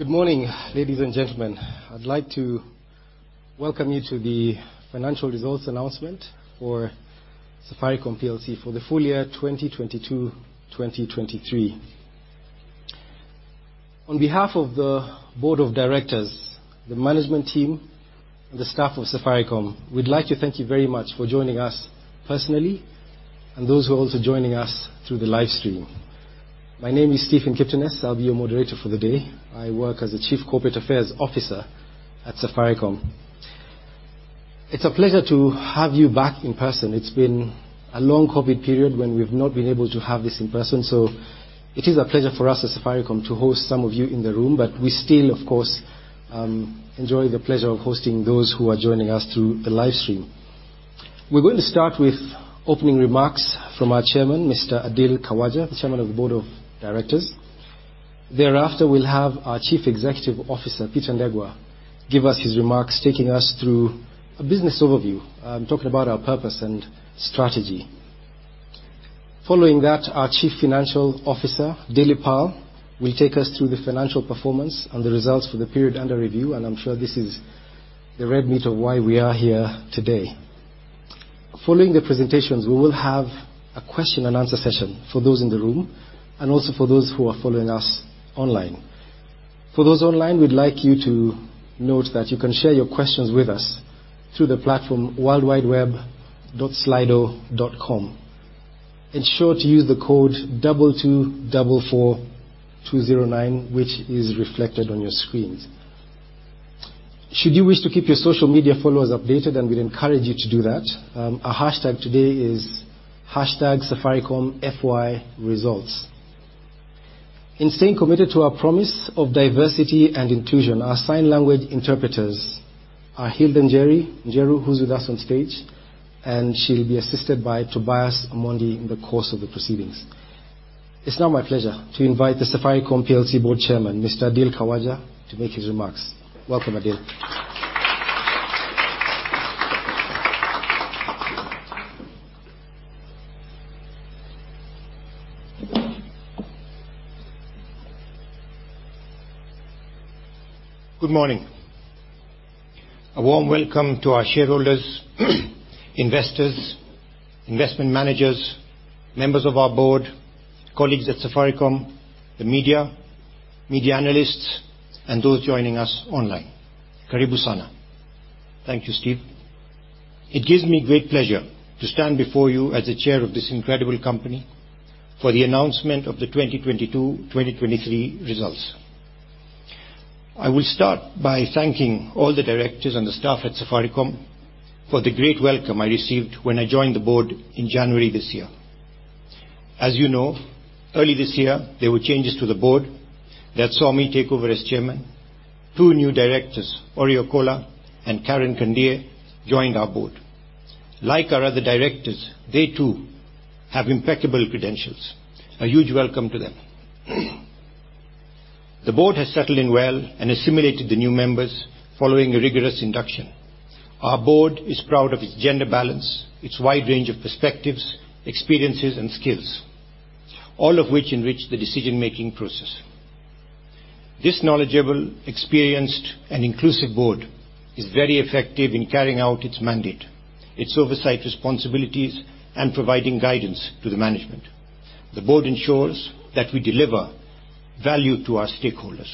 Good morning, ladies and gentlemen. I'd like to welcome you to the financial results announcement for Safaricom PLC for the full year 2022/2023. On behalf of the board of directors, the management team, and the staff of Safaricom, we'd like to thank you very much for joining us personally and those who are also joining us through the live stream. My name is Stephen Chege. I'll be your moderator for the day. I work as the Chief Corporate Affairs Officer at Safaricom. It's a pleasure to have you back in person. It's been a long COVID period when we've not been able to have this in person, so it is a pleasure for us as Safaricom to host some of you in the room. We still, of course, enjoy the pleasure of hosting those who are joining us through the live stream. We're going to start with opening remarks from our Chairman, Mr. Adil Khawaja, Chairman of the Board of Directors. Thereafter, we'll have our Chief Executive Officer, Peter Ndegwa, give us his remarks, taking us through a business overview, talking about our purpose and strategy. Following that, our Chief Financial Officer, Dilip Pal, will take us through the financial performance and the results for the period under review, and I'm sure this is the red meat of why we are here today. Following the presentations, we will have a question and answer session for those in the room and also for those who are following us online. For those online, we'd like you to note that you can share your questions with us through the platform worldwideweb.slido.com. Ensure to use the code 2244209, which is reflected on your screens. Should you wish to keep your social media followers updated, and we'd encourage you to do that, our hashtag today is hashtag Safaricom FY Results. In staying committed to our promise of diversity and inclusion, our sign language interpreters are Hilda Njeri Njeru, who's with us on stage, and she'll be assisted by Tobias Omondi in the course of the proceedings. It's now my pleasure to invite the Safaricom PLC Board Chairman, Mr. Adil Khawaja, to make his remarks. Welcome, Adil. Good morning. A warm welcome to our shareholders, investors, investment managers, members of our board, colleagues at Safaricom, the media analysts, and those joining us online. Thank you, Stephen Kiptinness. It gives me great pleasure to stand before you as the Chairman of this incredible company for the announcement of the 2022/2023 results. I will start by thanking all the directors and the staff at Safaricom for the great welcome I received when I joined the board in January this year. As you know, early this year, there were changes to the board that saw me take over as Chairman. Two new directors, Ory Okolloh and Karen Kandie, joined our board. Like our other directors, they too have impeccable credentials. A huge welcome to them. The board has settled in well and assimilated the new members following a rigorous induction. Our board is proud of its gender balance, its wide range of perspectives, experiences and skills, all of which enrich the decision-making process. This knowledgeable, experienced and inclusive board is very effective in carrying out its mandate, its oversight responsibilities, and providing guidance to the management. The board ensures that we deliver value to our stakeholders.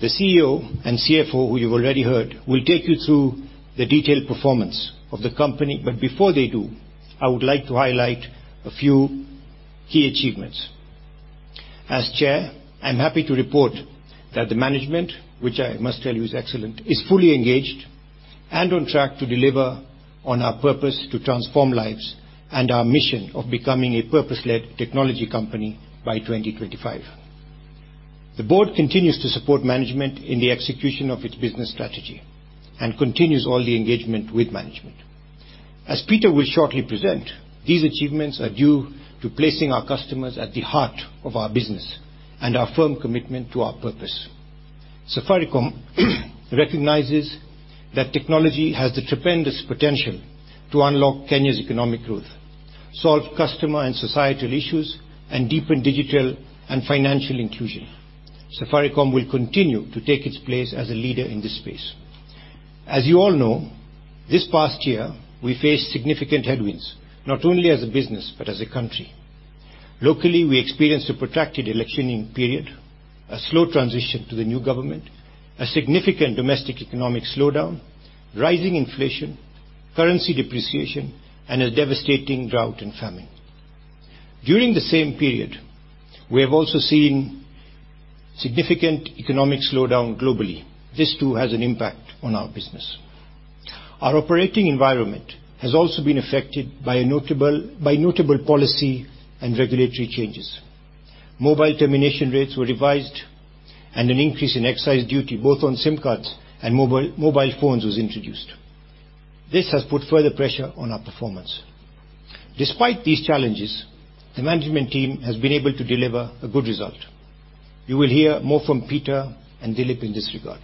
The CEO and CFO, who you've already heard, will take you through the detailed performance of the company. Before they do, I would like to highlight a few key achievements. As Chair, I'm happy to report that the management, which I must tell you is excellent, is fully engaged and on track to deliver on our purpose to transform lives and our mission of becoming a purpose-led technology company by 2025. The board continues to support management in the execution of its business strategy and continues all the engagement with management. Peter will shortly present, these achievements are due to placing our customers at the heart of our business and our firm commitment to our purpose. Safaricom recognizes that technology has the tremendous potential to unlock Kenya's economic growth, solve customer and societal issues, and deepen digital and financial inclusion. Safaricom will continue to take its place as a leader in this space. You all know, this past year, we faced significant headwinds, not only as a business, but as a country. Locally, we experienced a protracted electioning period, a slow transition to the new government, a significant domestic economic slowdown, rising inflation, currency depreciation, and a devastating drought and famine. During the same period, we have also seen significant economic slowdown globally. This too has an impact on our business. Our operating environment has also been affected by notable policy and regulatory changes. Mobile termination rates were revised and an increase in excise duty, both on SIM cards and mobile phones was introduced. This has put further pressure on our performance. Despite these challenges, the management team has been able to deliver a good result. You will hear more from Peter and Dilip in this regard.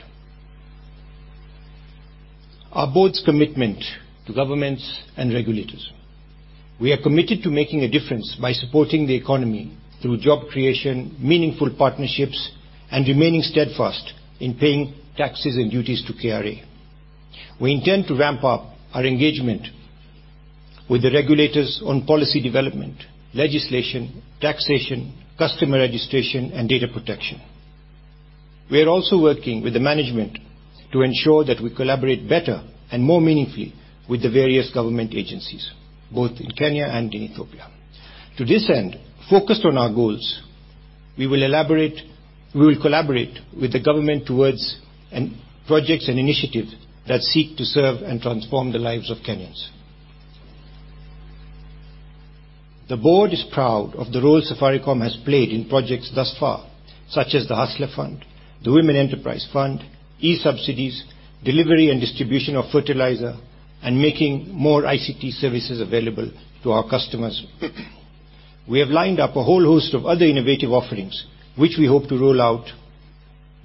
Our board's commitment to governments and regulators. We are committed to making a difference by supporting the economy through job creation, meaningful partnerships, and remaining steadfast in paying taxes and duties to KRA. We intend to ramp up our engagement with the regulators on policy development, legislation, taxation, customer registration, and data protection. We are also working with the management to ensure that we collaborate better and more meaningfully with the various government agencies, both in Kenya and in Ethiopia. To this end, focused on our goals, we will collaborate with the government towards projects and initiatives that seek to serve and transform the lives of Kenyans. The board is proud of the role Safaricom has played in projects thus far, such as the Hustler Fund, the Women Enterprise Fund, e-subsidies, delivery and distribution of fertilizer, and making more ICT services available to our customers. We have lined up a whole host of other innovative offerings, which we hope to roll out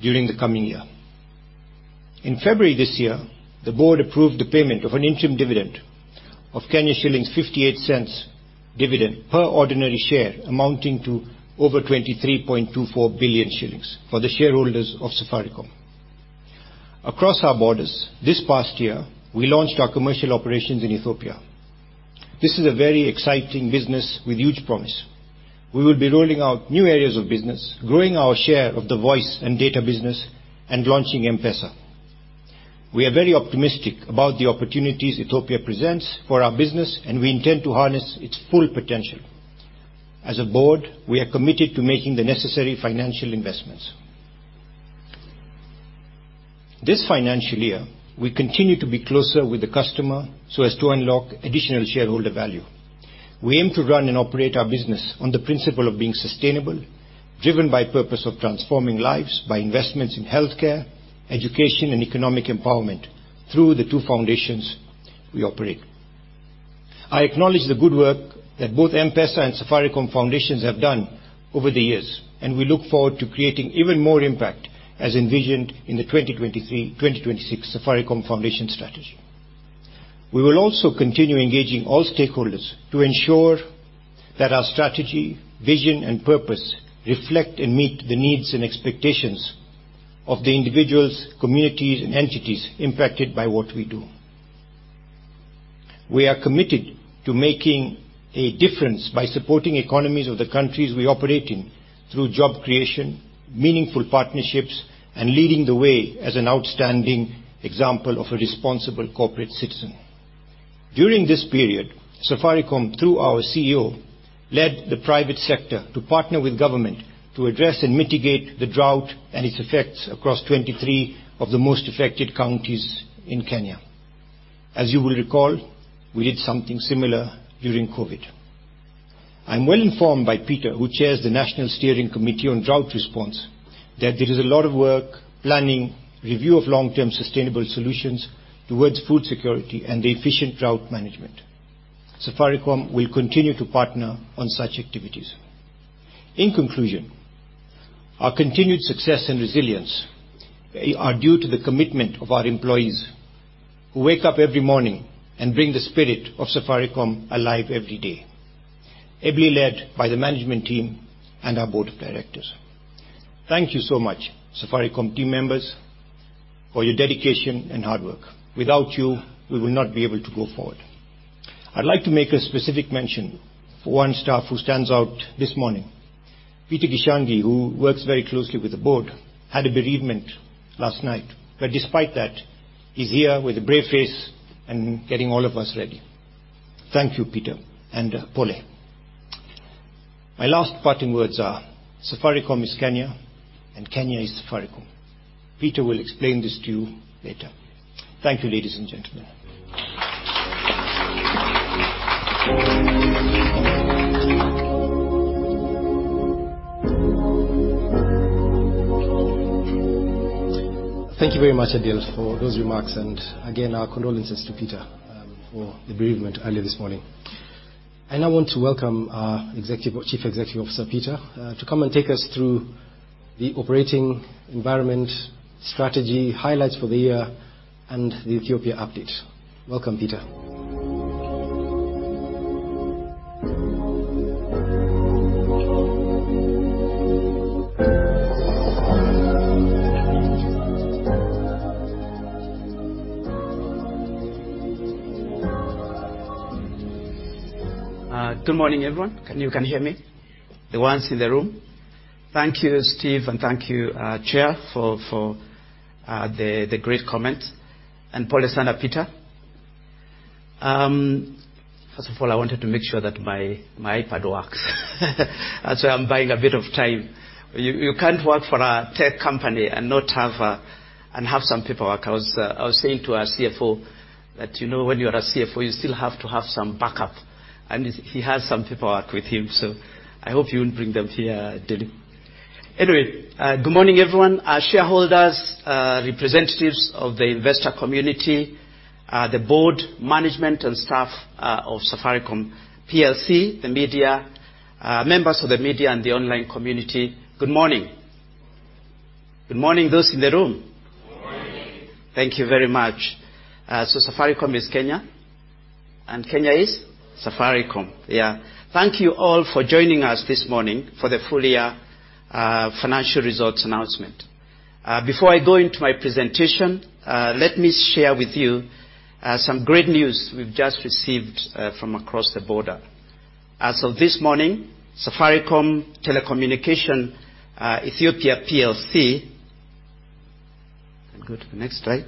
during the coming year. In February this year, the board approved the payment of an interim dividend of 0.58 dividend per ordinary share, amounting to over 23.24 billion shillings for the shareholders of Safaricom. Across our borders, this past year, we launched our commercial operations in Ethiopia. This is a very exciting business with huge promise. We will be rolling out new areas of business, growing our share of the voice and data business, and launching M-PESA. We are very optimistic about the opportunities Ethiopia presents for our business, and we intend to harness its full potential. As a board, we are committed to making the necessary financial investments. This financial year, we continue to be closer with the customer so as to unlock additional shareholder value. We aim to run and operate our business on the principle of being sustainable, driven by purpose of transforming lives by investments in healthcare, education, and economic empowerment through the two foundations we operate. I acknowledge the good work that both M-PESA and Safaricom Foundations have done over the years, and we look forward to creating even more impact as envisioned in the 2023, 2026 Safaricom Foundation strategy. We will also continue engaging all stakeholders to ensure that our strategy, vision, and purpose reflect and meet the needs and expectations of the individuals, communities, and entities impacted by what we do. We are committed to making a difference by supporting economies of the countries we operate in through job creation, meaningful partnerships, and leading the way as an outstanding example of a responsible corporate citizen. During this period, Safaricom, through our CEO, led the private sector to partner with government to address and mitigate the drought and its effects across 23 of the most affected counties in Kenya. As you will recall, we did something similar during COVID. I'm well informed by Peter, who chairs the National Steering Committee on Drought Response, that there is a lot of work, planning, review of long-term sustainable solutions towards food security and the efficient drought management. Safaricom will continue to partner on such activities. In conclusion, our continued success and resilience are due to the commitment of our employees who wake up every morning and bring the spirit of Safaricom alive every day, ably led by the management team and our board of directors. Thank you so much, Safaricom team members for your dedication and hard work. Without you, we will not be able to go forward. I'd like to make a specific mention for one staff who stands out this morning. Peter Gichangi, who works very closely with the board, had a bereavement last night. Despite that, he's here with a brave face and getting all of us ready. Thank you, Peter, and pole. My last parting words are Safaricom is Kenya, and Kenya is Safaricom. Peter will explain this to you later. Thank you, ladies and gentlemen. Thank you very much, Adil, for those remarks. Again, our condolences to Peter for the bereavement earlier this morning. I now want to welcome our Chief Executive Officer, Peter, to come and take us through the operating environment, strategy, highlights for the year, and the Ethiopia update. Welcome, Peter. Good morning, everyone. Can you hear me? The ones in the room. Thank you, Steve, and thank you, Chair, for the great comments. pole sana Peter. First of all, I wanted to make sure that my iPad works. That's why I'm buying a bit of time. You can't work for a tech company and not have and have some paperwork. I was saying to our CFO that, you know, when you're a CFO, you still have to have some backup. He has some paperwork with him, so I hope you won't bring them here, Dilip. Anyway, good morning, everyone. Our shareholders, representatives of the investor community, the board, management, and staff of Safaricom PLC, the media, members of the media, and the online community. Good morning Good morning, those in the room. Good morning. Thank you very much. Safaricom is Kenya, and Kenya is Safaricom. Thank you all for joining us this morning for the full year financial results announcement. Before I go into my presentation, let me share with you some great news we've just received from across the border. As of this morning, Safaricom Telecommunications Ethiopia PLC... Go to the next slide.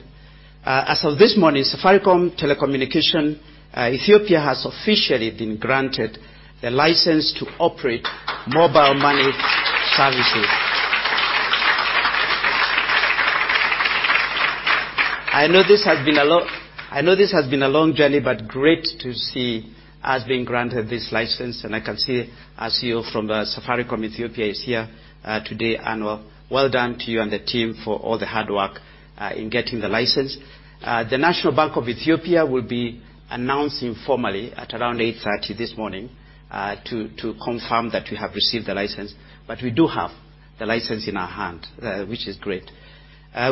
As of this morning, Safaricom Telecommunications Ethiopia has officially been granted the license to operate mobile money services. I know this has been a long journey, but great to see us being granted this license, and I can see our CEO from Safaricom Ethiopia is here today. Anwar, well done to you and the team for all the hard work in getting the license. The National Bank of Ethiopia will be announcing formally at around 8:30 this morning to confirm that we have received the license, we do have the license in our hand, which is great.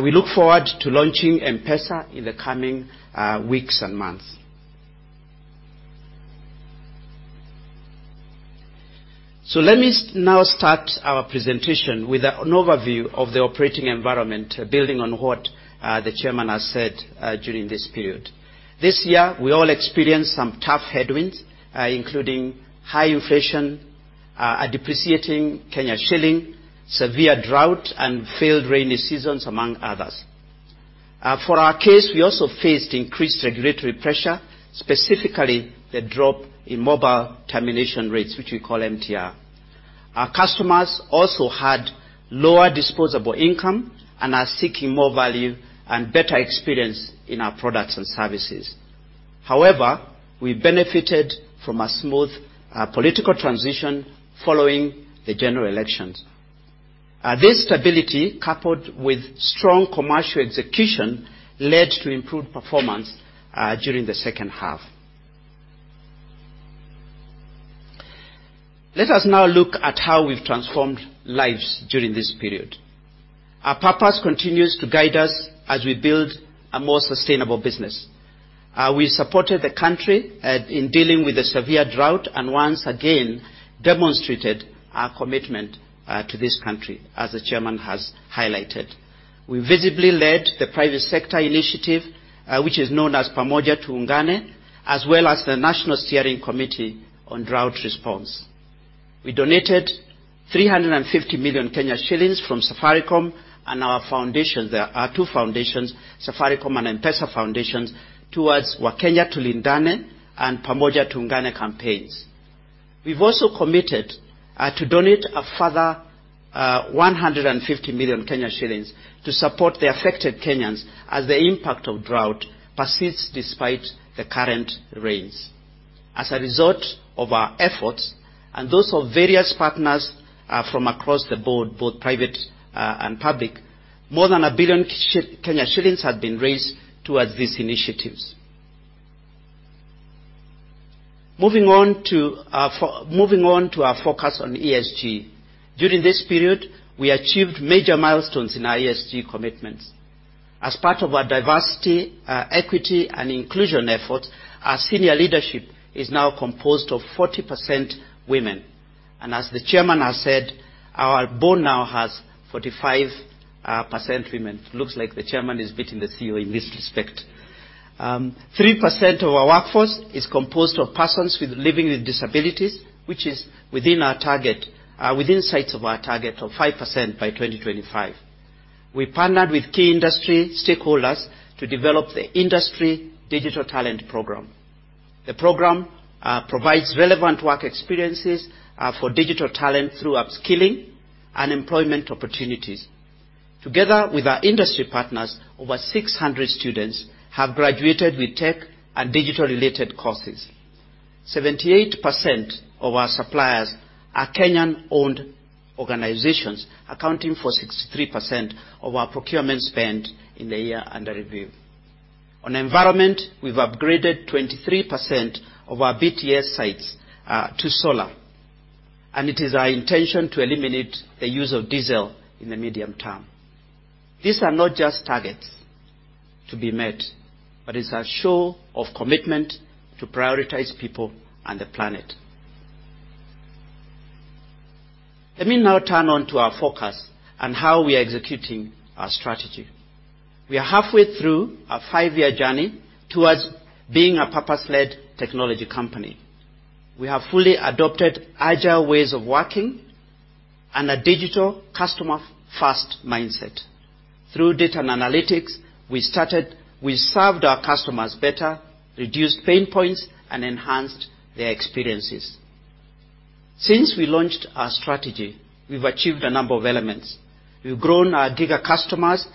We look forward to launching M-PESA in the coming weeks and months. Let me now start our presentation with an overview of the operating environment, building on what the Chairman has said during this period. This year, we all experienced some tough headwinds, including high inflation, a depreciating Kenyan shilling, severe drought, and failed rainy seasons, among others. For our case, we also faced increased regulatory pressure, specifically the drop in mobile termination rates, which we call MTR. Our customers also had lower disposable income and are seeking more value and better experience in our products and services. However, we benefited from a smooth political transition following the general elections. This stability, coupled with strong commercial execution, led to improved performance during the second half. Let us now look at how we've transformed lives during this period. Our purpose continues to guide us as we build a more sustainable business. We supported the country in dealing with the severe drought and once again demonstrated our commitment to this country, as the chairman has highlighted. We visibly led the private sector initiative, which is known as Pamoja Tuungane, as well as the National Steering Committee on Drought Response. We donated 350 million shillings from Safaricom and our foundations. There are two foundations, Safaricom and M-PESA foundations, towards Wakenya Tulindane and Pamoja Tuungane campaigns. We've also committed to donate a further 150 million shillings to support the affected Kenyans as the impact of drought persists despite the current rains. As a result of our efforts and those of various partners, from across the board, both private and public, more than 1 billion shillings have been raised towards these initiatives. Moving on to our focus on ESG. During this period, we achieved major milestones in our ESG commitments. As part of our diversity, equity, and inclusion efforts, our senior leadership is now composed of 40% women. As the Chairman has said, our board now has 45% women. Looks like the Chairman is beating the CEO in this respect. 3% of our workforce is composed of persons with living with disabilities, which is within our target, within sights of our target of 5% by 2025. We partnered with key industry stakeholders to develop the Industry Digital Talent Program. The program provides relevant work experiences for digital talent through upskilling and employment opportunities. Together with our industry partners, over 600 students have graduated with tech and digital-related courses. 78% of our suppliers are Kenyan-owned organizations, accounting for 63% of our procurement spend in the year under review. On environment, we've upgraded 23% of our BTS sites to solar, and it is our intention to eliminate the use of diesel in the medium term. These are not just targets to be met, but it's a show of commitment to prioritize people and the planet. Let me now turn on to our focus and how we are executing our strategy. We are halfway through our 5-year journey towards being a purpose-led technology company. We have fully adopted agile ways of working and a digital customer-first mindset. Through data and analytics, we served our customers better, reduced pain points, and enhanced their experiences. Since we launched our strategy, we've achieved a number of elements. We've grown our GIGA customers,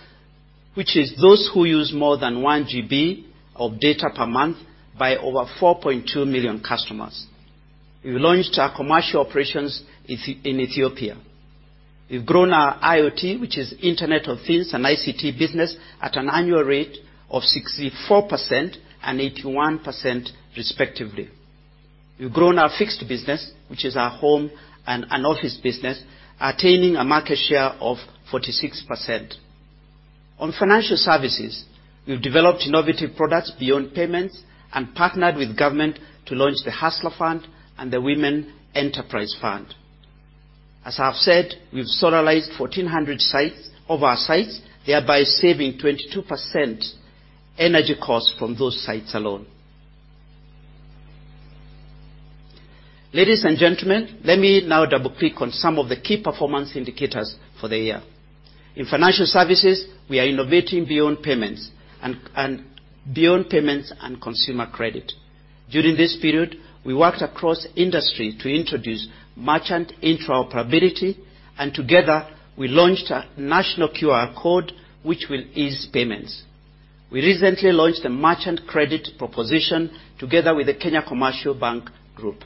which is those who use more than 1 GB of data per month, by over 4.2 million customers. We launched our commercial operations in Ethiopia. We've grown our IoT, which is Internet of Things, and ICT business at an annual rate of 64% and 81% respectively. We've grown our fixed business, which is our home and an office business, attaining a market share of 46%. On financial services, we've developed innovative products beyond payments and partnered with government to launch the Hustler Fund and the Women Enterprise Fund. As I have said, we've solarized 1,400 sites of our sites, thereby saving 22% energy costs from those sites alone. Ladies and gentlemen, let me now double-click on some of the key performance indicators for the year. In financial services, we are innovating beyond payments and consumer credit. During this period, we worked across industry to introduce merchant interoperability. Together we launched a national QR code which will ease payments. We recently launched a merchant credit proposition together with the Kenya Commercial Bank group.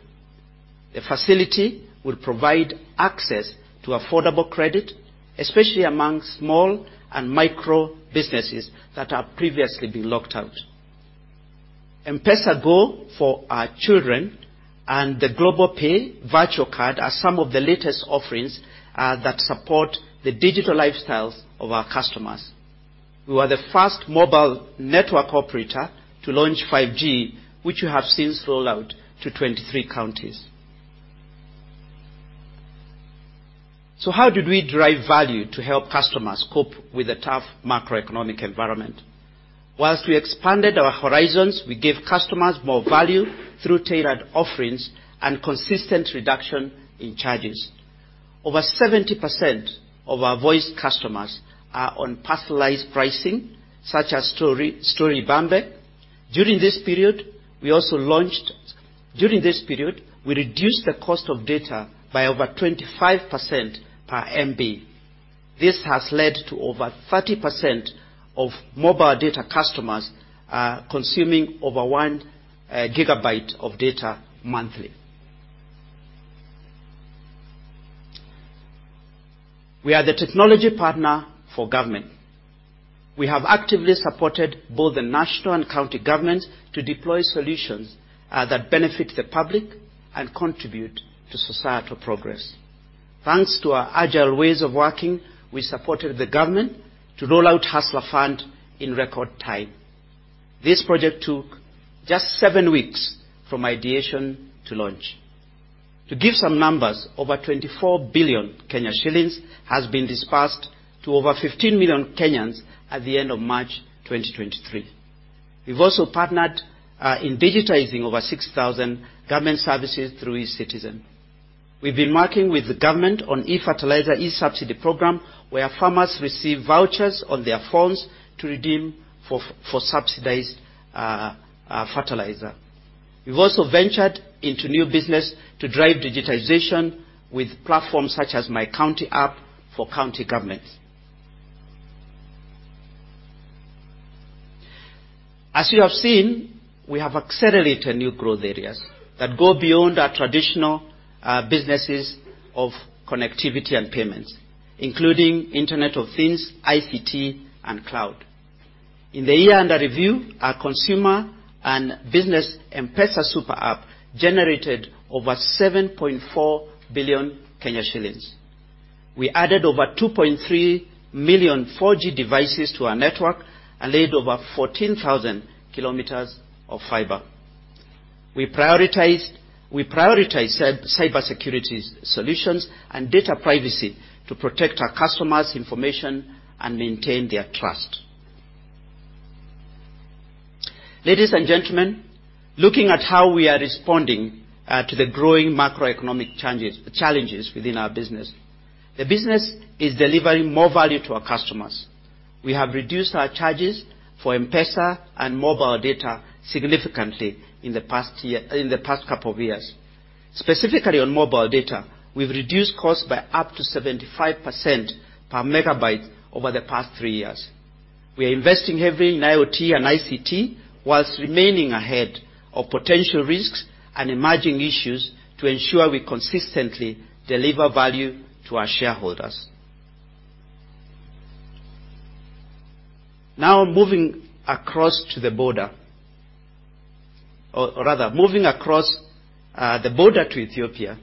The facility will provide access to affordable credit, especially amongst small and micro businesses that have previously been locked out. M-PESA Go for our children and the GlobalPay Virtual Card are some of the latest offerings that support the digital lifestyles of our customers. We were the first mobile network operator to launch 5G, which you have since rolled out to 23 counties. How did we drive value to help customers cope with the tough macroeconomic environment? Whilst we expanded our horizons, we gave customers more value through tailored offerings and consistent reduction in charges. Over 70% of our voice customers are on personalized pricing, such as Stori Ibambe. During this period, we reduced the cost of data by over 25% per MB. This has led to over 30% of mobile data customers consuming over 1 gigabyte of data monthly. We are the technology partner for government. We have actively supported both the national and county governments to deploy solutions that benefit the public and contribute to societal progress. Thanks to our agile ways of working, we supported the government to roll out Hustler Fund in record time. This project took just seven weeks from ideation to launch. To give some numbers, over 24 billion shillings has been disbursed to over 15 million Kenyans at the end of March 2023. We've also partnered in digitizing over 6,000 government services through eCitizen. We've been working with the government on eFertilizer, eSubsidy program, where farmers receive vouchers on their phones to redeem for subsidized fertilizer. We've also ventured into new business to drive digitization with platforms such as MyCounty App for county governments. As you have seen, we have accelerated new growth areas that go beyond our traditional businesses of connectivity and payments, including Internet of Things, ICT, and cloud. In the year under review, our consumer and business M-PESA Super App generated over 7.4 billion shillings. We added over 2.3 million 4G devices to our network and laid over 14,000 kilometers of fiber. We prioritized cybersecurity solutions and data privacy to protect our customers' information and maintain their trust. Ladies and gentlemen, looking at how we are responding to the growing macroeconomic challenges within our business. The business is delivering more value to our customers. We have reduced our charges for M-PESA and mobile data significantly in the past year, in the past couple of years. Specifically on mobile data, we've reduced costs by up to 75% per megabyte over the past 3 years. We are investing heavily in IoT and ICT whilst remaining ahead of potential risks and emerging issues to ensure we consistently deliver value to our shareholders. Moving across to the border, or rather, moving across the border to Ethiopia.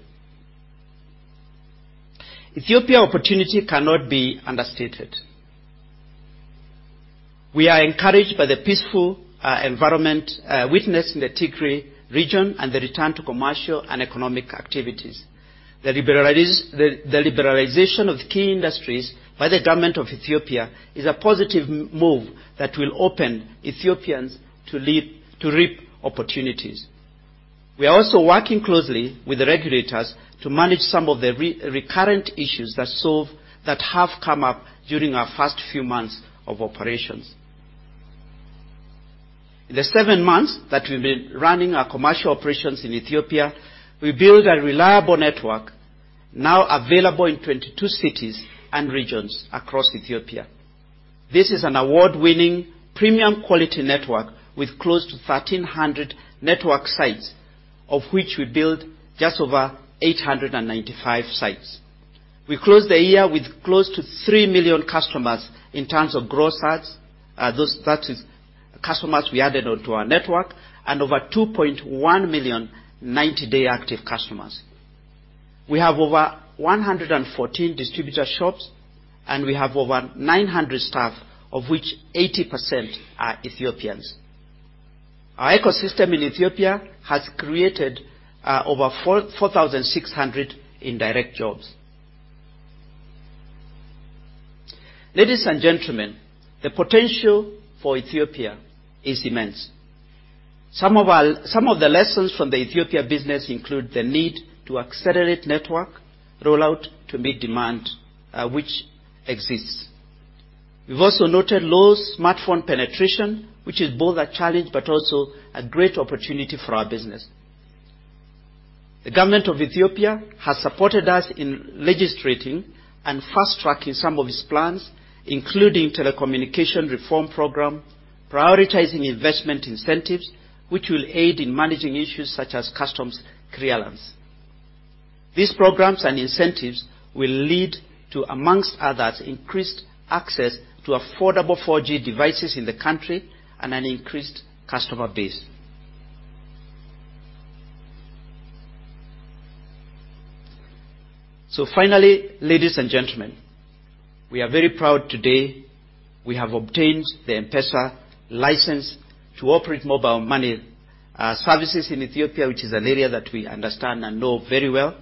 Ethiopia opportunity cannot be understated. We are encouraged by the peaceful environment witnessed in the Tigray region and the return to commercial and economic activities. The liberalization of key industries by the government of Ethiopia is a positive move that will open Ethiopians to reap opportunities. We are also working closely with the regulators to manage some of the recurrent issues that have come up during our first few months of operations. In the 7 months that we've been running our commercial operations in Ethiopia, we built a reliable network now available in 22 cities and regions across Ethiopia. This is an award-winning premium quality network with close to 1,300 network sites, of which we built just over 895 sites. We closed the year with close to 3 million customers in terms of gross adds, those that is customers we added onto our network, and over 2.1 million 90-day active customers. We have over 114 distributor shops, and we have over 900 staff, of which 80% are Ethiopians. Our ecosystem in Ethiopia has created, over 4,600 indirect jobs. Ladies and gentlemen, the potential for Ethiopia is immense. Some of the lessons from the Ethiopia business include the need to accelerate network rollout to meet demand, which exists. We've also noted low smartphone penetration, which is both a challenge but also a great opportunity for our business. The government of Ethiopia has supported us in legislating and fast-tracking some of its plans, including telecommunication reform program, prioritizing investment incentives, which will aid in managing issues such as customs clearance. These programs and incentives will lead to, among others, increased access to affordable 4G devices in the country and an increased customer base. Finally, ladies and gentlemen, we are very proud today, we have obtained the M-PESA license to operate mobile money services in Ethiopia, which is an area that we understand and know very well,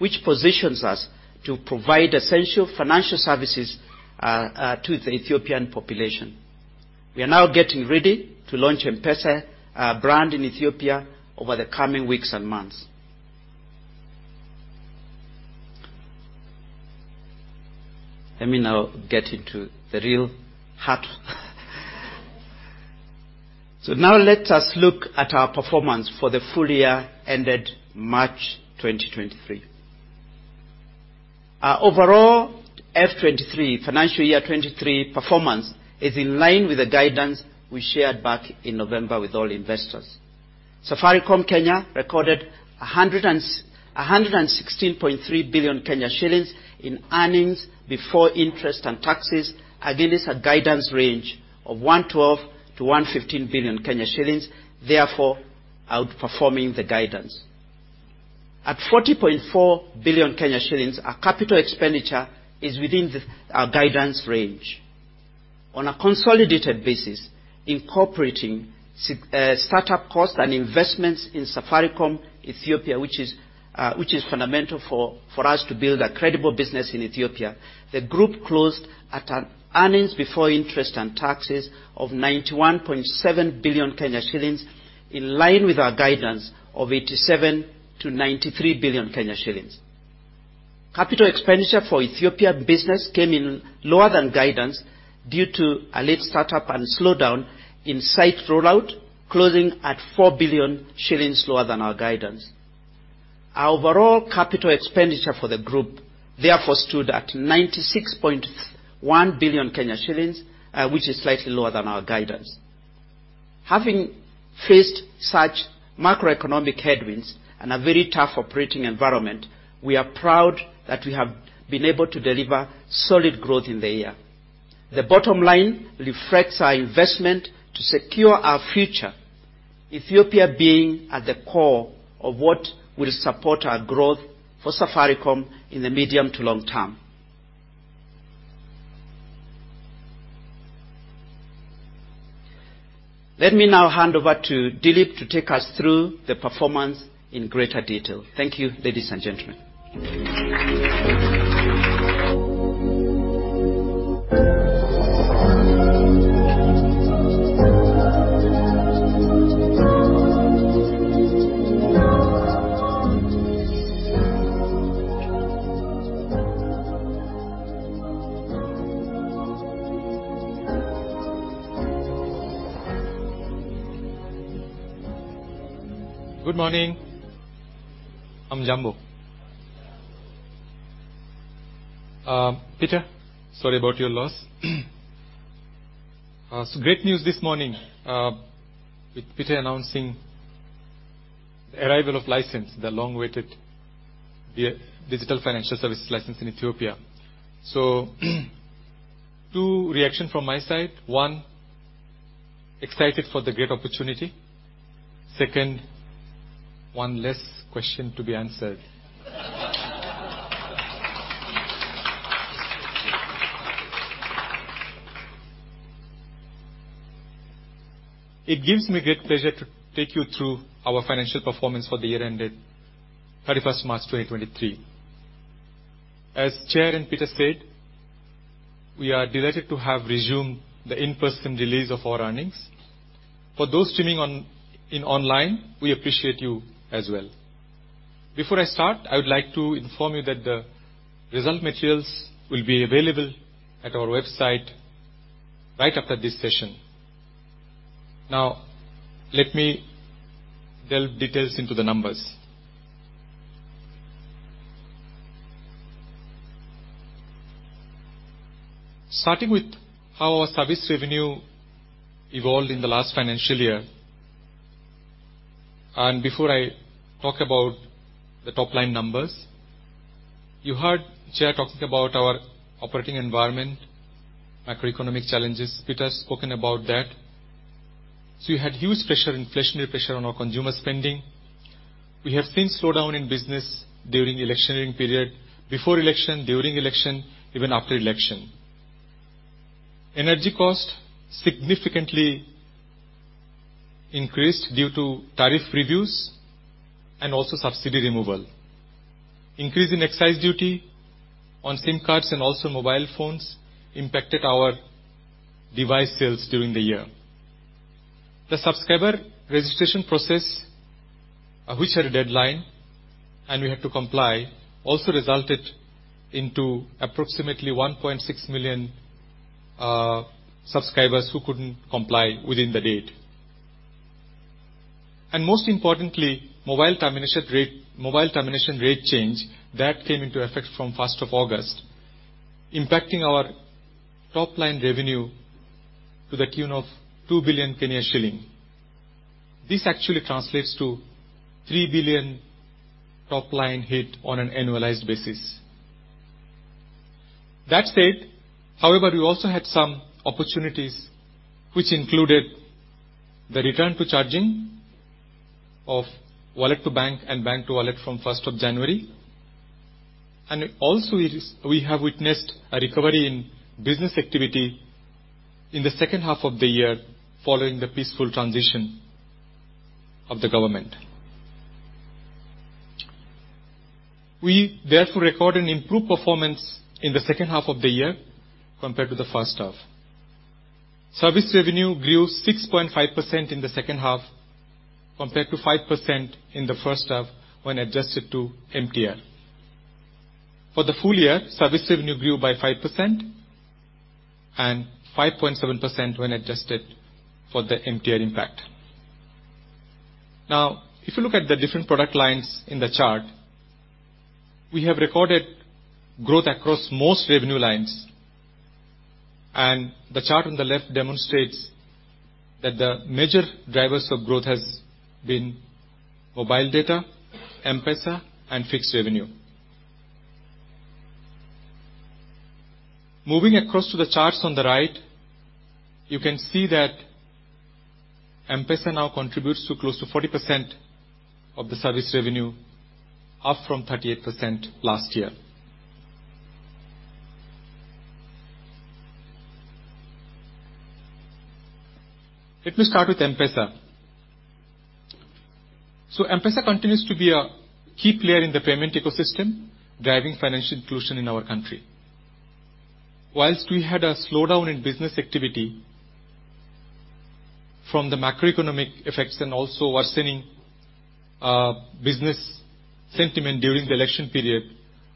which positions us to provide essential financial services to the Ethiopian population. We are now getting ready to launch M-PESA brand in Ethiopia over the coming weeks and months. Let me now get into the real heart. Let us look at our performance for the full year ended March 2023. Our overall F23, financial year 23 performance is in line with the guidance we shared back in November with all investors. Safaricom Kenya recorded KES 116.3 billion in EBIT, against a guidance range of 112 billion-115 billion shillings, therefore outperforming the guidance. At 40.4 billion shillings, our CapEx is within our guidance range. On a consolidated basis, incorporating start-up costs and investments in Safaricom Ethiopia, which is fundamental for us to build a credible business in Ethiopia, the group closed at an earnings before interest and taxes of 91.7 billion shillings, in line with our guidance of 87 billion-93 billion shillings. Capital expenditure for Ethiopia business came in lower than guidance due to a late start-up and slowdown in site rollout, closing at 4 billion shillings lower than our guidance. Our overall capital expenditure for the group therefore stood at 96.1 billion shillings, which is slightly lower than our guidance. Having faced such macroeconomic headwinds and a very tough operating environment, we are proud that we have been able to deliver solid growth in the year. The bottom line reflects our investment to secure our future, Ethiopia being at the core of what will support our growth for Safaricom in the medium to long term. Let me now hand over to Dilip to take us through the performance in greater detail. Thank you, ladies and gentlemen. Good morning. Hamjambo. Peter, sorry about your loss. Great news this morning with Peter announcing the arrival of license, the long-awaited digital financial services license in Ethiopia. Two reactions from my side. One, excited for the great opportunity. Second, one less question to be answered. It gives me great pleasure to take you through our financial performance for the year ended 31st of March, 2023. As Chair and Peter said, we are delighted to have resumed the in-person release of our earnings. For those tuning in online, we appreciate you as well. Before I start, I would like to inform you that the result materials will be available at our website right after this session. Now, let me delve details into the numbers. Starting with how our service revenue evolved in the last financial year. Before I talk about the top-line numbers, you heard Chair talking about our operating environment, macroeconomic challenges. Peter has spoken about that. We had huge pressure, inflationary pressure on our consumer spending. We have seen slowdown in business during electioneering period, before election, during election, even after election. Energy cost significantly increased due to tariff reviews and also subsidy removal. Increase in excise duty on SIM cards and also mobile phones impacted our device sales during the year. The subscriber registration process, which had a deadline, and we had to comply, also resulted into approximately 1.6 million subscribers who couldn't comply within the date. Most importantly, mobile termination rate, mobile termination rate change that came into effect from 1st of August, impacting our top-line revenue to the tune of 2 billion Kenyan shilling. This actually translates to 3 billion top-line hit on an annualized basis. That said, however, we also had some opportunities, which included the return to charging of wallet to bank and bank to wallet from 1st of January. Also, we have witnessed a recovery in business activity in the second half of the year, following the peaceful transition of the government. We therefore record an improved performance in the second half of the year compared to the first half. Service revenue grew 6.5% in the second half compared to 5% in the first half when adjusted to MTR. For the full year, service revenue grew by 5% and 5.7% when adjusted for the MTR impact. If you look at the different product lines in the chart, we have recorded growth across most revenue lines, and the chart on the left demonstrates that the major drivers of growth has been mobile data, M-PESA, and fixed revenue. Moving across to the charts on the right, you can see that M-PESA now contributes to close to 40% of the service revenue, up from 38% last year. Let me start with M-PESA. M-PESA continues to be a key player in the payment ecosystem, driving financial inclusion in our country. Whilst we had a slowdown in business activity from the macroeconomic effects and also worsening business sentiment during the election period,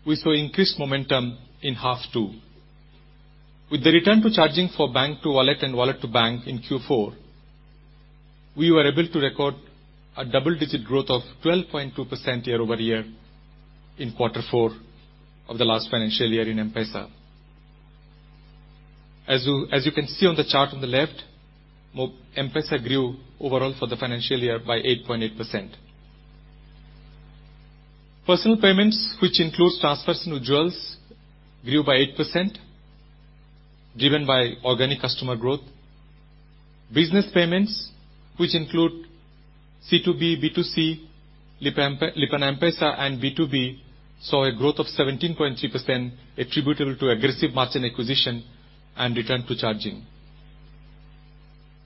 we saw increased momentum in half 2. With the return to charging for bank to wallet and wallet to bank in Q4, we were able to record a double-digit growth of 12.2% year-over-year in quarter four of the last financial year in M-PESA. As you can see on the chart on the left, M-PESA grew overall for the financial year by 8.8%. Personal payments, which includes transfers to individuals, grew by 8%, driven by organic customer growth. Business payments, which include C2B, B2C, Lipa M-PESA and B2B, saw a growth of 17.3% attributable to aggressive merchant acquisition and return to charging.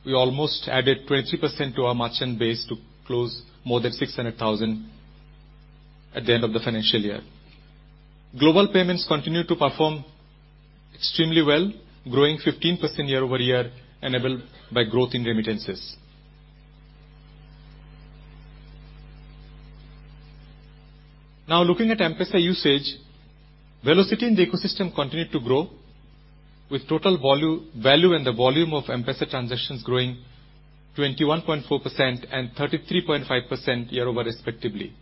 We almost added 23% to our merchant base to close more than 600,000 at the end of the financial year. Global payments continued to perform extremely well, growing 15% year-over-year, enabled by growth in remittances. Looking at M-PESA usage, velocity in the ecosystem continued to grow with total value and the volume of M-PESA transactions growing 21.4% and 33.5% year-over-year respectively.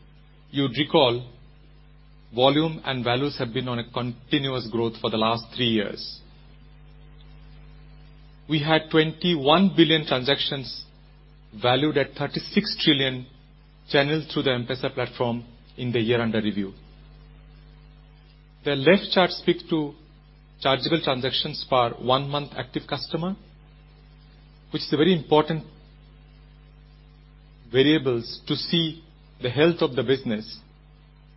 You would recall volume and values have been on a continuous growth for the last three years. We had 21 billion transactions valued at 36 trillion channeled through the M-PESA platform in the year under review. The left chart speaks to chargeable transactions per one-month active customer, which is a very important variables to see the health of the business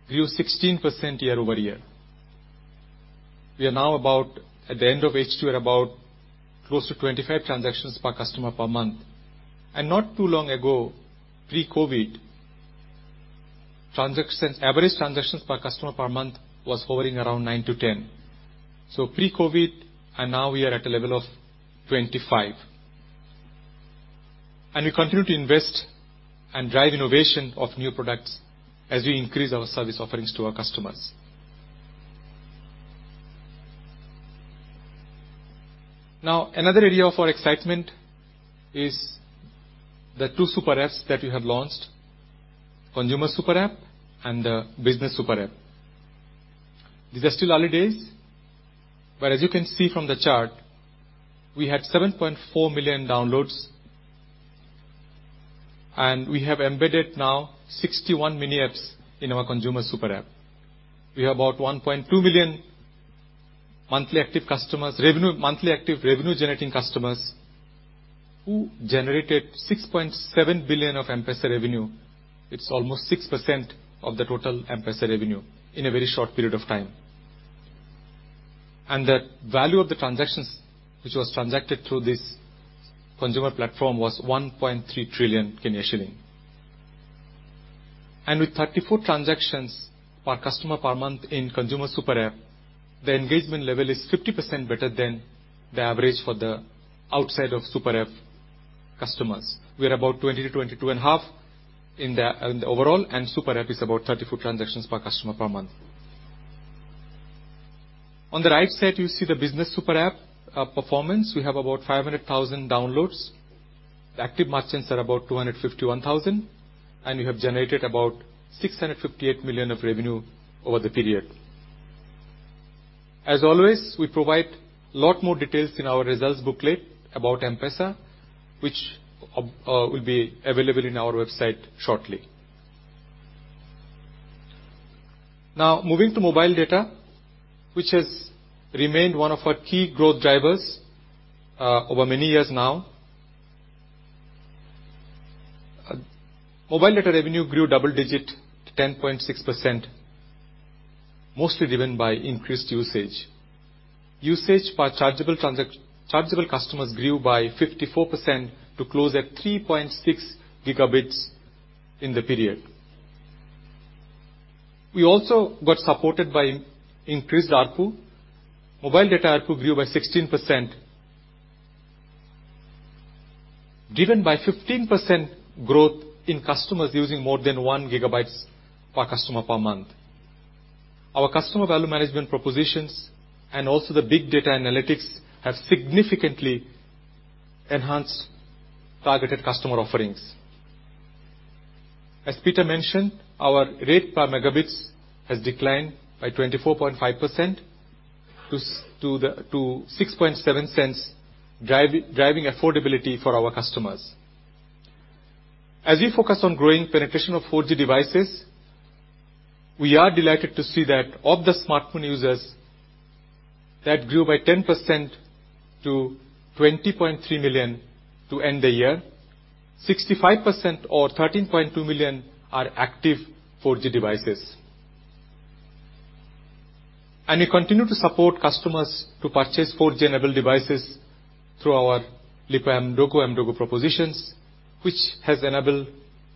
grew 16% year-over-year. We are now about, at the end of H2, we're about close to 25 transactions per customer per month. Not too long ago, pre-COVID, transactions, average transactions per customer per month was hovering around 9-10. Pre-COVID, and now we are at a level of 25. We continue to invest and drive innovation of new products as we increase our service offerings to our customers. Another area of our excitement is the two Super Apps that we have launched. Consumer Super App and the Business Super App. These are still early days, but as you can see from the chart, we had 7.4 million downloads. We have embedded now 61 Mini Apps in our Consumer Super App. We have about 1.2 million monthly active customers, monthly active revenue-generating customers, who generated 6.7 billion of M-PESA revenue. It's almost 6% of the total M-PESA revenue in a very short period of time. The value of the transactions, which was transacted through this consumer platform was 1.3 trillion shilling. With 34 transactions per customer per month in Consumer Super App, the engagement level is 50% better than the average for the outside of Super App customers. We are about 20-22.5 in the overall, and Super App is about 34 transactions per customer per month. On the right side, you see the Business Super App performance. We have about 500,000 downloads. The active merchants are about 251,000, and we have generated about 658 million of revenue over the period. As always, we provide a lot more details in our results booklet about M-PESA, which will be available in our website shortly. Moving to mobile data, which has remained one of our key growth drivers over many years now. Mobile data revenue grew double digit to 10.6%, mostly driven by increased usage. Usage by chargeable customers grew by 54% to close at 3.6 gigabits in the period. We also got supported by increased ARPU. Mobile data ARPU grew by 16%. Driven by 15% growth in customers using more than 1 gigabytes per customer per month. Our customer value management propositions and also the big data analytics have significantly enhanced targeted customer offerings. As Peter mentioned, our rate per megabits has declined by 24.5% to 0.067, driving affordability for our customers. As we focus on growing penetration of 4G devices, we are delighted to see that of the smartphone users that grew by 10% to 20.3 million to end the year, 65% or 13.2 million are active 4G devices. We continue to support customers to purchase 4G-enabled devices through our Lipa Mdogo Mdogo propositions, which has enabled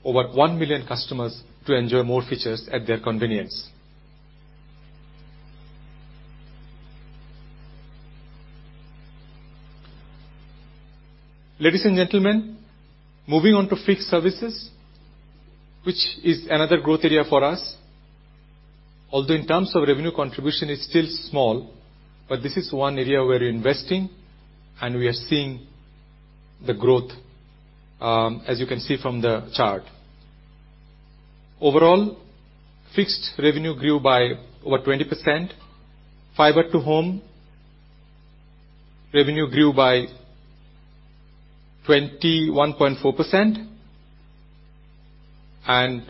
over 1 million customers to enjoy more features at their convenience. Ladies and gentlemen, moving on to fixed services, which is another growth area for us. Although in terms of revenue contribution it's still small, but this is one area we're investing, and we are seeing the growth, as you can see from the chart. Overall, fixed revenue grew by over 20%. Fiber to home revenue grew by 21.4%, and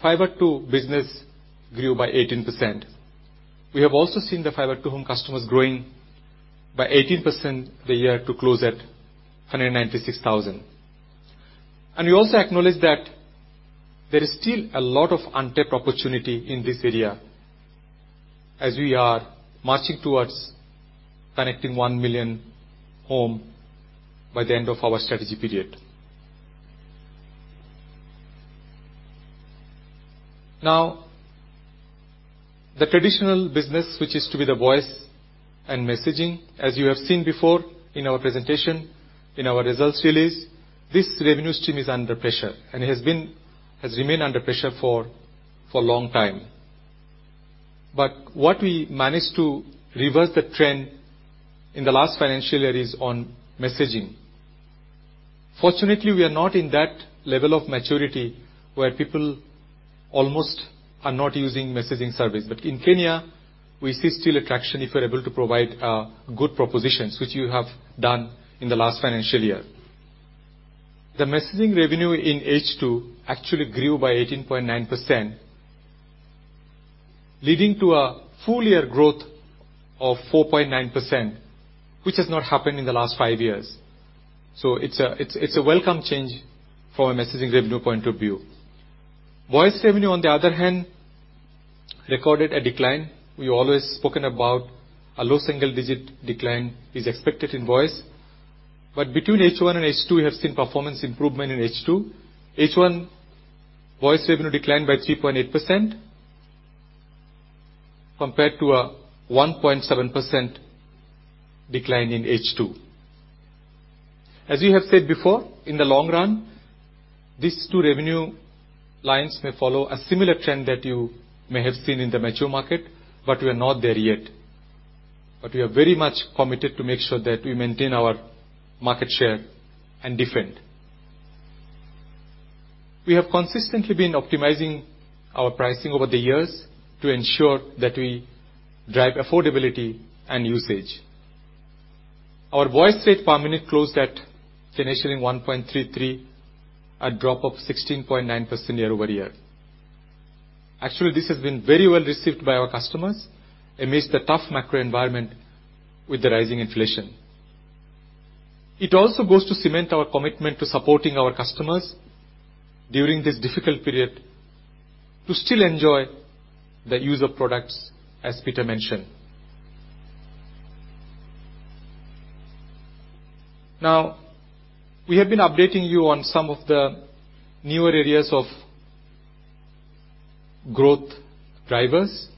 fiber to business grew by 18%. We have also seen the fiber to home customers growing by 18% the year to close at 196,000. We also acknowledge that there is still a lot of untapped opportunity in this area as we are marching towards connecting 1 million home by the end of our strategy period. Now, the traditional business, which is to be the voice and messaging, as you have seen before in our presentation, in our results release, this revenue stream is under pressure and has remained under pressure for a long time. What we managed to reverse the trend in the last financial year is on messaging. Fortunately, we are not in that level of maturity where people almost are not using messaging service. In Kenya, we see still a traction if we're able to provide good propositions, which you have done in the last financial year. The messaging revenue in H2 actually grew by 18.9%, leading to a full year growth of 4.9%, which has not happened in the last five years. It's a welcome change from a messaging revenue point of view. Voice revenue, on the other hand, recorded a decline. We always spoken about a low single digit decline is expected in voice. Between H1 and H2, we have seen performance improvement in H2. H1 voice revenue declined by 3.8%, compared to a 1.7% decline in H2. As we have said before, in the long run, these two revenue lines may follow a similar trend that you may have seen in the mature market, but we are not there yet. We are very much committed to make sure that we maintain our market share and defend. We have consistently been optimizing our pricing over the years to ensure that we drive affordability and usage. Our voice rate per minute closed at finishing 1.33, a drop of 16.9% year-over-year. This has been very well received by our customers amidst the tough macro environment with the rising inflation. It also goes to cement our commitment to supporting our customers during this difficult period to still enjoy the user products, as Peter mentioned. We have been updating you on some of the newer areas of growth drivers.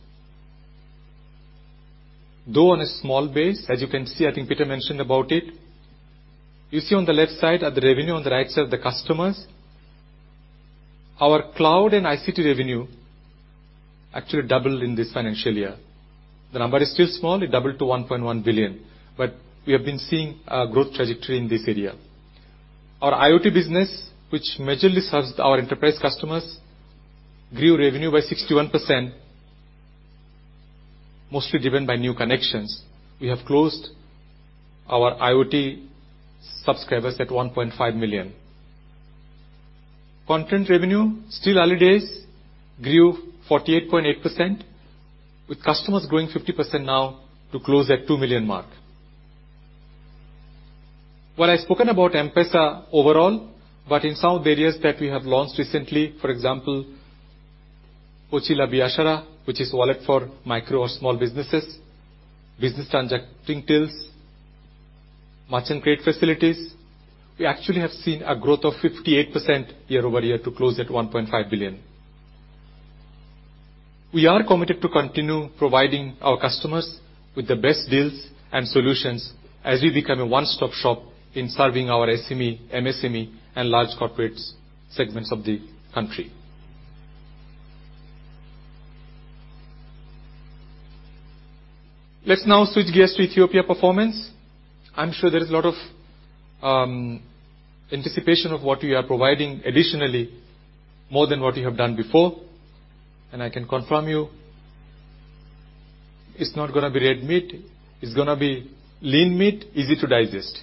On a small base, as you can see, I think Peter mentioned about it. You see on the left side are the revenue, on the right side are the customers. Our cloud and ICT revenue actually doubled in this financial year. The number is still small. It doubled to 1.1 billion. We have been seeing a growth trajectory in this area. Our IoT business, which majorly serves our enterprise customers, grew revenue by 61%, mostly driven by new connections. We have closed our IoT subscribers at 1.5 million. Content revenue, still early days, grew 48.8% with customers growing 50% now to close at 2 million mark. While I've spoken about M-PESA overall, in some areas that we have launched recently, for example, Pochi La Biashara, which is wallet for micro or small businesses, business transacting tools, merchant credit facilities, we actually have seen a growth of 58% year-over-year to close at 1.5 billion. We are committed to continue providing our customers with the best deals and solutions as we become a one-stop shop in serving our SME, MSME and large corporate segments of the country. Let's now switch gears to Ethiopia performance. I'm sure there is a lot of anticipation of what we are providing additionally more than what we have done before. I can confirm you, it's not gonna be red meat. It's gonna be lean meat, easy to digest.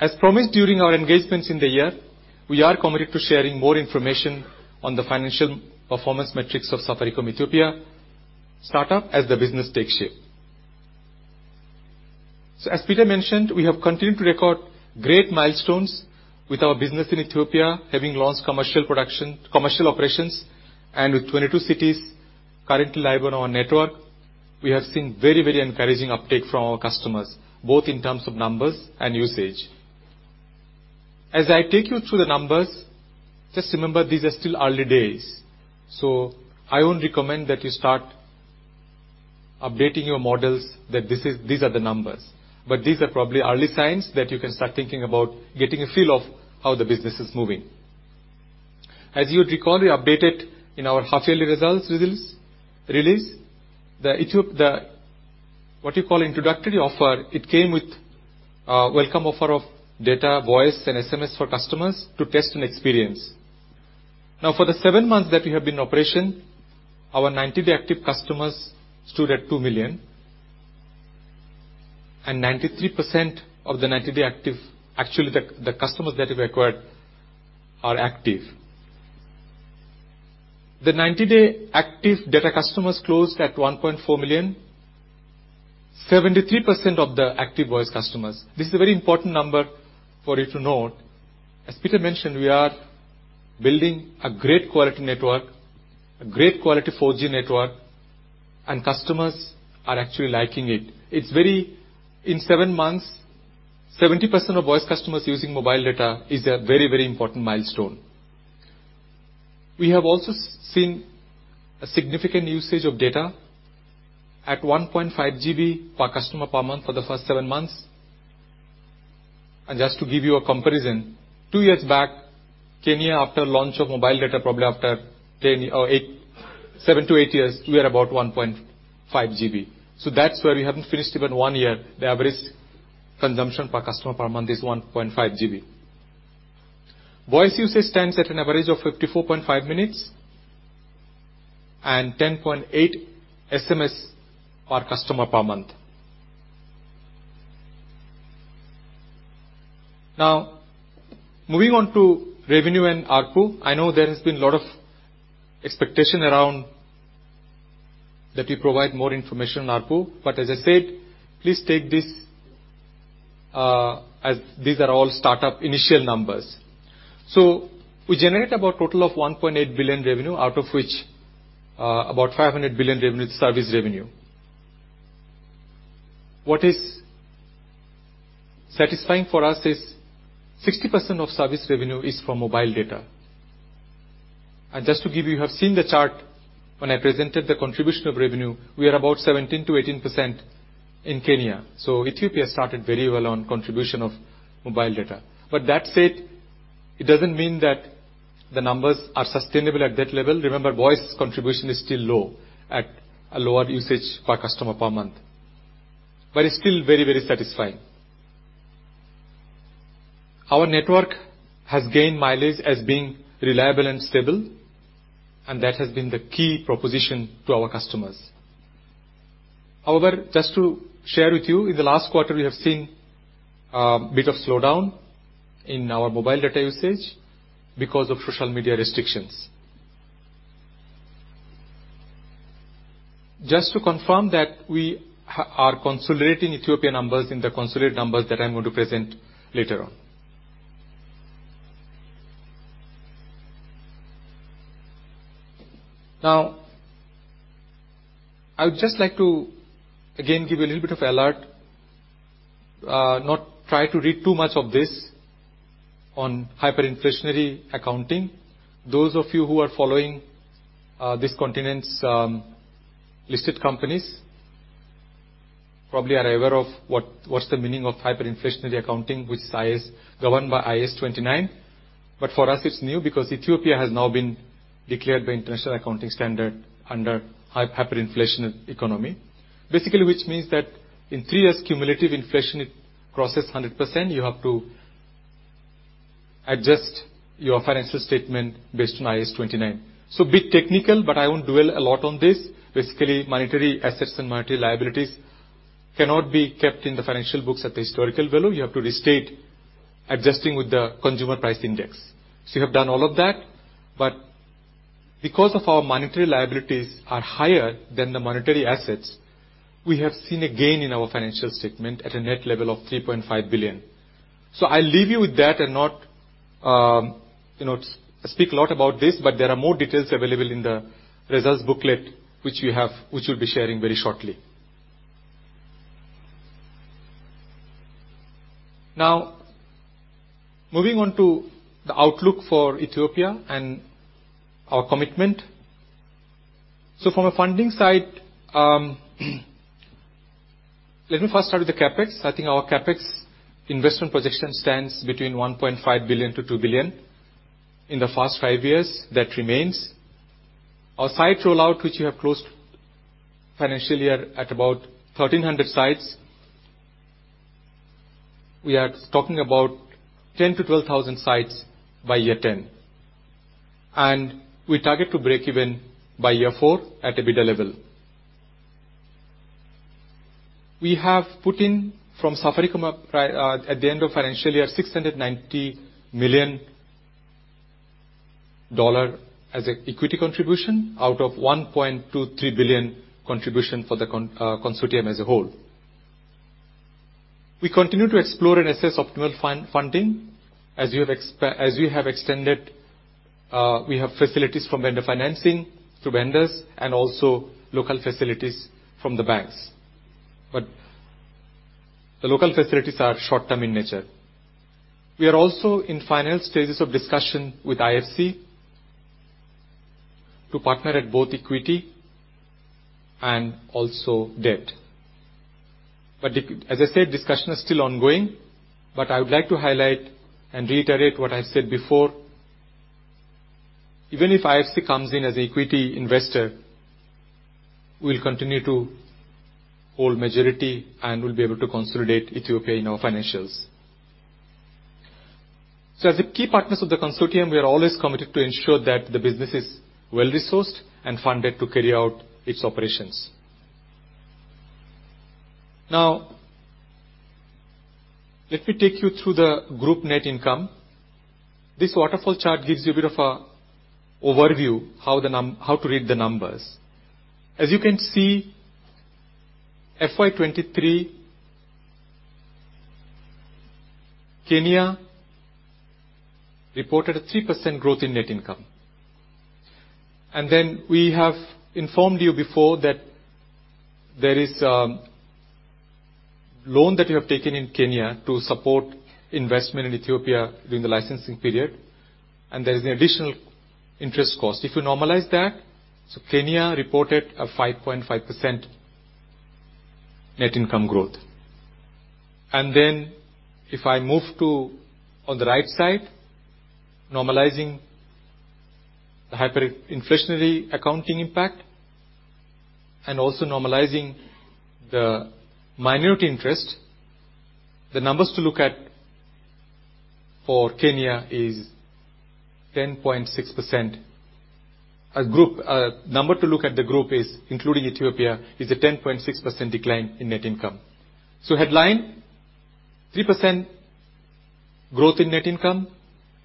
As promised during our engagements in the year, we are committed to sharing more information on the financial performance metrics of Safaricom Ethiopia start up as the business takes shape. As Peter mentioned, we have continued to record great milestones with our business in Ethiopia, having launched commercial operations, and with 22 cities currently live on our network. We have seen very, very encouraging uptake from our customers, both in terms of numbers and usage. As I take you through the numbers, just remember, these are still early days, so I won't recommend that you start updating your models that these are the numbers. These are probably early signs that you can start thinking about getting a feel of how the business is moving. As you would recall, we updated in our half-yearly results release, the what you call introductory offer. It came with a welcome offer of data, voice, and SMS for customers to test and experience. For the seven months that we have been in operation, our 90-day active customers stood at 2 million, and 93% of the 90-day active, actually, the customers that we acquired are active. The 90-day active data customers closed at 1.4 million, 73% of the active voice customers. This is a very important number for you to note. As Peter mentioned, we are building a great quality network, a great quality 4G network, and customers are actually liking it. In seven months, 70% of voice customers using mobile data is a very, very important milestone. We have also seen a significant usage of data at 1.5 GB per customer per month for the first seven months. Just to give you a comparison, 2 years back, Kenya, after launch of mobile data, probably after 10 or 7-8 years, we are about 1.5 GB. That's where we haven't finished even 1 year. The average consumption per customer per month is 1.5 GB. Voice usage stands at an average of 54.5 minutes and 10.8 SMS per customer per month. Moving on to revenue and ARPU. I know there has been a lot of expectation around that we provide more information on ARPU, but as I said, please take this as these are all start-up initial numbers. We generate about total of 1.8 billion revenue, out of which about 500 billion revenue is service revenue. What is satisfying for us is 60% of service revenue is from mobile data. Just to give you have seen the chart when I presented the contribution of revenue. We are about 17%-18% in Kenya. Ethiopia started very well on contribution of mobile data. That said, it doesn't mean that the numbers are sustainable at that level. Remember, voice contribution is still low at a lower usage per customer per month, but it's still very, very satisfying. Our network has gained mileage as being reliable and stable, and that has been the key proposition to our customers. Just to share with you, in the last quarter we have seen a bit of slowdown in our mobile data usage because of social media restrictions. Just to confirm that we are consolidating Ethiopia numbers in the consolidated numbers that I'm going to present later on. I would just like to again give you a little bit of alert, not try to read too much of this on hyperinflationary accounting. Those of you who are following this continent's listed companies probably are aware of what's the meaning of hyperinflationary accounting, which is governed by IAS 29. For us it's new because Ethiopia has now been declared by International Accounting Standard under hyperinflationary economy. Basically, which means that in three years cumulative inflation, it crosses 100%, you have to adjust your financial statement based on IAS 29. A bit technical, but I won't dwell a lot on this. Basically, monetary assets and monetary liabilities cannot be kept in the financial books at the historical value. You have to restate adjusting with the consumer price index. We have done all of that, but because of our monetary liabilities are higher than the monetary assets, we have seen a gain in our financial statement at a net level of 3.5 billion. I'll leave you with that and not, you know, speak a lot about this, but there are more details available in the results booklet which we have, which we'll be sharing very shortly. Moving on to the outlook for Ethiopia and our commitment. From a funding side, let me first start with the CapEx. I think our CapEx investment projection stands between 1.5 billion-2 billion in the first 5 years. That remains. Our site rollout, which we have closed financial year at about 1,300 sites. We are talking about 10,000-12,000 sites by year 10. We target to break even by year four at a EBITDA level. We have put in from Safaricom at the end of financial year $690 million as a equity contribution out of $1.23 billion contribution for the consortium as a whole. We continue to explore and assess optimal funding as we have extended, we have facilities from vendor financing through vendors and also local facilities from the banks. The local facilities are short-term in nature. We are also in final stages of discussion with IFC to partner at both equity and also debt. As I said, discussion is still ongoing. I would like to highlight and reiterate what I said before. Even if IFC comes in as an equity investor, we'll continue to hold majority and will be able to consolidate Ethiopia in our financials. As the key partners of the consortium, we are always committed to ensure that the business is well-resourced and funded to carry out its operations. Let me take you through the group net income. This waterfall chart gives you a bit of a overview how to read the numbers. As you can see, FY 2023, Kenya reported a 3% growth in net income. We have informed you before that there is a loan that we have taken in Kenya to support investment in Ethiopia during the licensing period, and there is an additional interest cost. If you normalize that, Kenya reported a 5.5% net income growth. If I move to on the right side, normalizing the hyperinflationary accounting impact and also normalizing the minority interest, the numbers to look at for Kenya is 10.6%. A group number to look at the group is, including Ethiopia, is a 10.6% decline in net income. Headline, 3% growth in net income.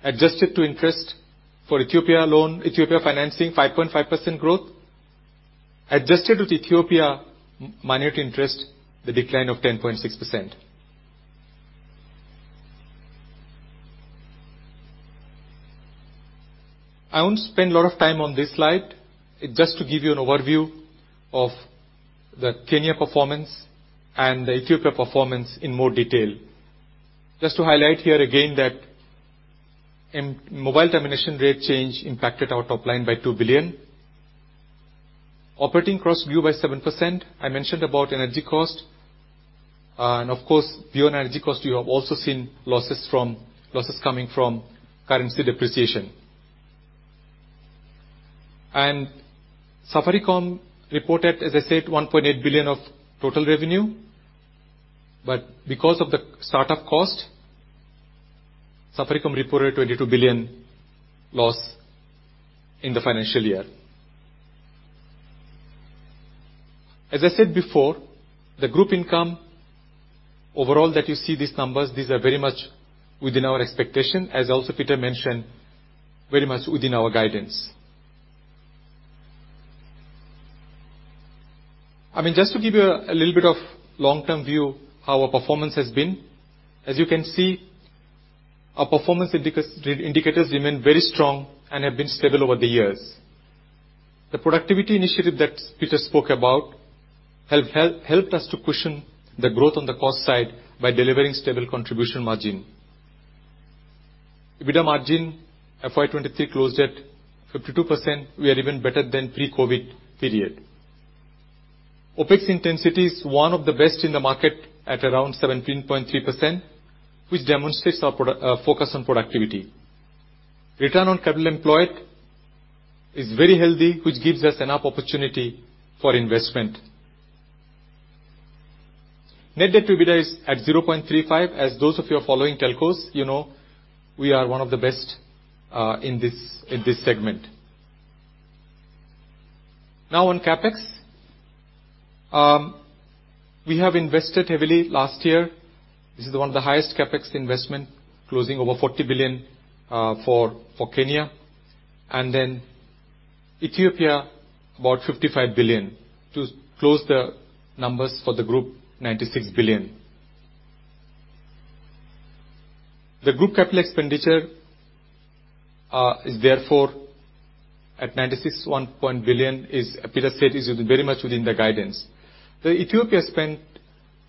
Adjusted to interest for Ethiopia loan, Ethiopia financing, 5.5% growth. Adjusted to Ethiopia minority interest, the decline of 10.6%. I won't spend a lot of time on this slide. Just to give you an overview of the Kenya performance and the Ethiopia performance in more detail. Just to highlight here again that mobile termination rate change impacted our top line by 2 billion. Operating costs grew by 7%. I mentioned about energy cost. Of course, beyond energy cost, you have also seen losses coming from currency depreciation. Safaricom reported, as I said, 1.8 billion of total revenue. Because of the startup cost, Safaricom reported a 22 billion loss in the financial year. As I said before, the group income overall that you see these numbers, these are very much within our expectation, as also Peter mentioned, very much within our guidance. I mean, just to give you a little bit of long-term view how our performance has been. As you can see, our performance indicators remain very strong and have been stable over the years. The productivity initiative that Peter spoke about have helped us to cushion the growth on the cost side by delivering stable contribution margin. EBITDA margin FY23 closed at 52%. We are even better than pre-COVID period. OpEx intensity is one of the best in the market at around 17.3%, which demonstrates our focus on productivity. Return on capital employed is very healthy, which gives us enough opportunity for investment. Net debt to EBITDA is at 0.35. As those of you who are following telcos, you know we are one of the best in this segment. On CapEx. We have invested heavily last year. This is one of the highest CapEx investment, closing over 40 billion for Kenya. Ethiopia about 55 billion, to close the numbers for the group, 96 billion. The group capital expenditure is therefore at 96.1 billion, as Peter said, very much within the guidance. The Ethiopia spend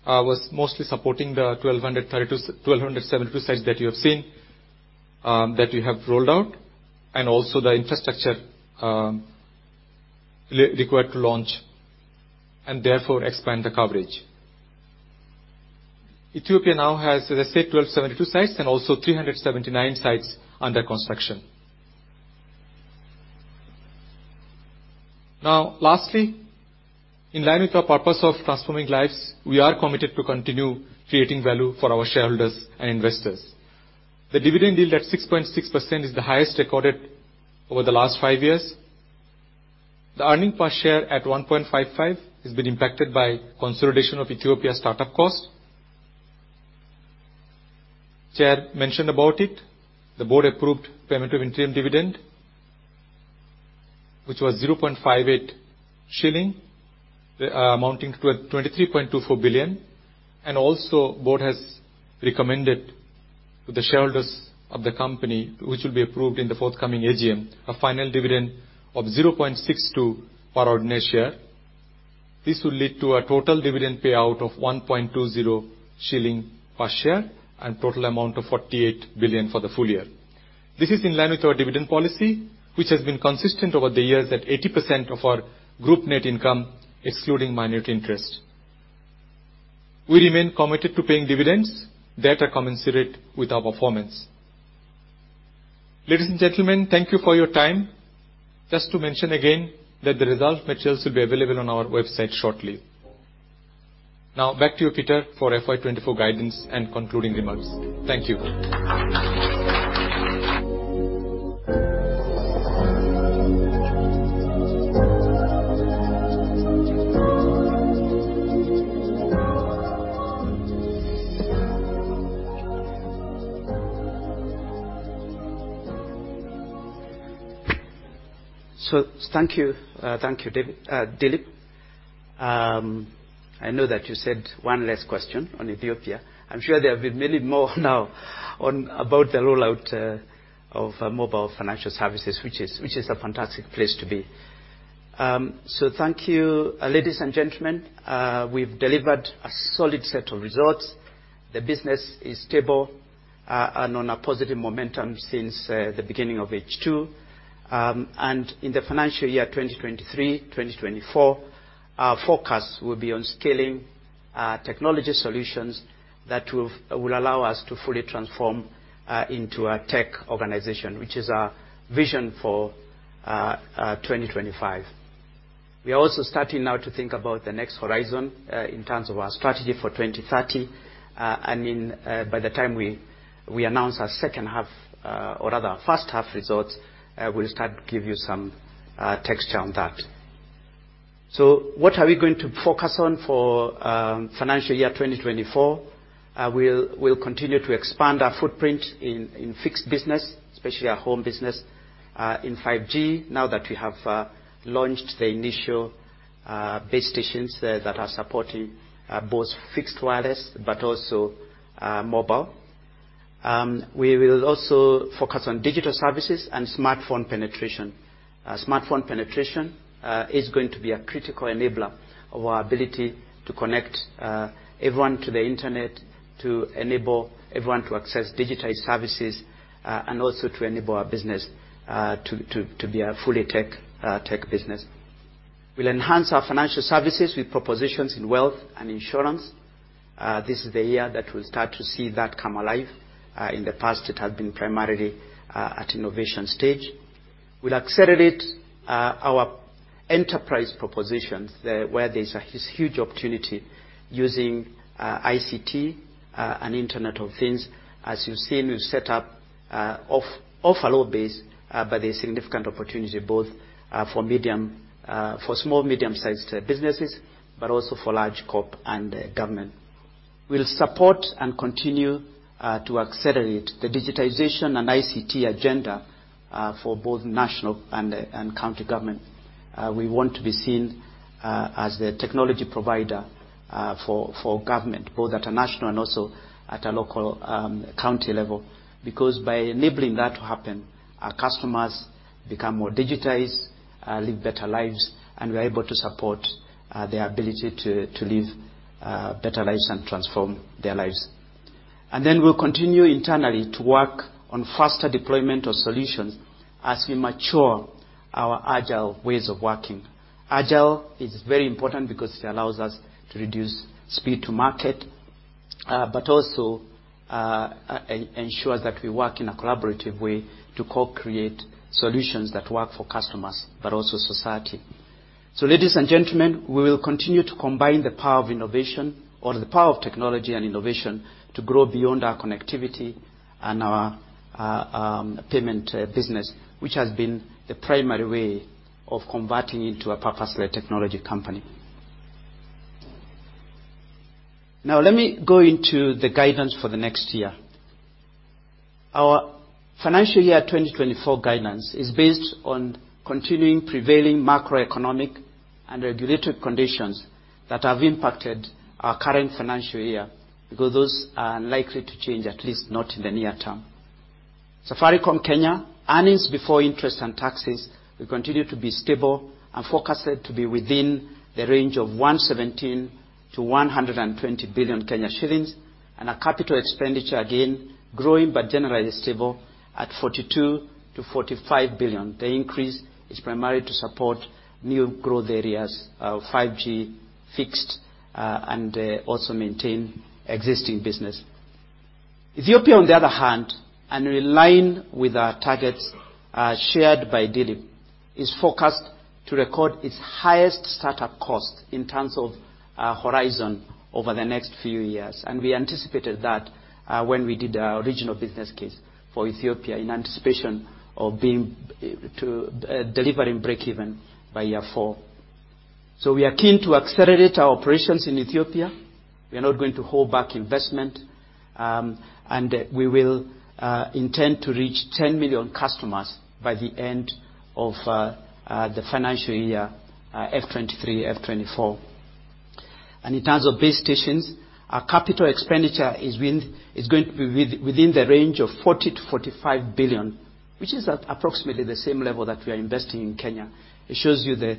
was mostly supporting the 1,272 sites that you have seen, that we have rolled out, and also the infrastructure required to launch, and therefore expand the coverage. Ethiopia now has, as I said, 1,272 sites and also 379 sites under construction. Lastly, in line with our purpose of transforming lives, we are committed to continue creating value for our shareholders and investors. The dividend yield at 6.6% is the highest recorded over the last 5 years. The earning per share at 1.55 has been impacted by consolidation of Ethiopia startup cost. Chairman mentioned about it. The board approved payment of interim dividend, which was 0.58 shilling, amounting to 23.24 billion. Board has recommended to the shareholders of the company, which will be approved in the forthcoming AGM, a final dividend of 0.62 per ordinary share. This will lead to a total dividend payout of 1.20 shilling per share and total amount of 48 billion for the full year. This is in line with our dividend policy, which has been consistent over the years at 80% of our group net income, excluding minority interest. We remain committed to paying dividends that are commensurate with our performance. Ladies and gentlemen, thank you for your time. Just to mention again that the result materials will be available on our website shortly. Back to you, Peter, for FY 24 guidance and concluding remarks. Thank you. Thank you, thank you, Dilip. I know that you said one last question on Ethiopia. I'm sure there have been many more now on about the rollout of mobile financial services, which is a fantastic place to be. Thank you, ladies and gentlemen. We've delivered a solid set of results. The business is stable and on a positive momentum since the beginning of H2. In the financial year 2023, 2024, our focus will be on scaling technology solutions that will allow us to fully transform into a tech organization, which is our vision for 2025. We are also starting now to think about the next horizon in terms of our strategy for 2030. I mean, by the time we announce our second half, or rather first half results, we'll start to give you some texture on that. What are we going to focus on for financial year 2024? We'll continue to expand our footprint in fixed business, especially our home business, in 5G now that we have launched the initial base stations that are supporting both fixed wireless but also mobile. We will also focus on digital services and smartphone penetration. Smartphone penetration is going to be a critical enabler of our ability to connect everyone to the internet, to enable everyone to access digitized services, and also to enable our business to be a fully tech business. We'll enhance our financial services with propositions in wealth and insurance. This is the year that we'll start to see that come alive. In the past, it has been primarily at innovation stage. We'll accelerate our enterprise propositions, where there's a huge opportunity using ICT and Internet of Things. As you've seen, we've set up off a low base, but there's significant opportunity both for medium, for small, medium-sized businesses, but also for large corp and government. We'll support and continue to accelerate the digitization and ICT agenda for both national and county government. We want to be seen as the technology provider for government, both at a national and also at a local county level, because by enabling that to happen, our customers become more digitized, live better lives, and we're able to support their ability to live better lives and transform their lives. Then we'll continue internally to work on faster deployment of solutions as we mature our agile ways of working. Agile is very important because it allows us to reduce speed to market, but also ensures that we work in a collaborative way to co-create solutions that work for customers, but also society. Ladies and gentlemen, we will continue to combine the power of innovation or the power of technology and innovation to grow beyond our connectivity and our payment business, which has been the primary way of converting into a purpose-led technology company. Let me go into the guidance for the next year. Our financial year 2024 guidance is based on continuing prevailing macroeconomic and regulatory conditions that have impacted our current financial year, because those are unlikely to change, at least not in the near term. Safaricom Kenya EBIT will continue to be stable and forecasted to be within the range of 117 billion-120 billion shillings, and our CapEx again growing but generally stable at 42 billion-45 billion. The increase is primarily to support new growth areas, 5G, fixed, and also maintain existing business. Ethiopia, on the other hand, and in line with our targets, shared by Dilip, is forecast to record its highest startup cost in terms of horizon over the next few years. We anticipated that when we did our original business case for Ethiopia in anticipation of being to delivering breakeven by year 4. We are keen to accelerate our operations in Ethiopia. We are not going to hold back investment, and we will intend to reach 10 million customers by the end of the financial year, F-23/F-24. In terms of base stations, our capital expenditure is going to be within the range of 40 billion-45 billion, which is at approximately the same level that we are investing in Kenya. It shows you the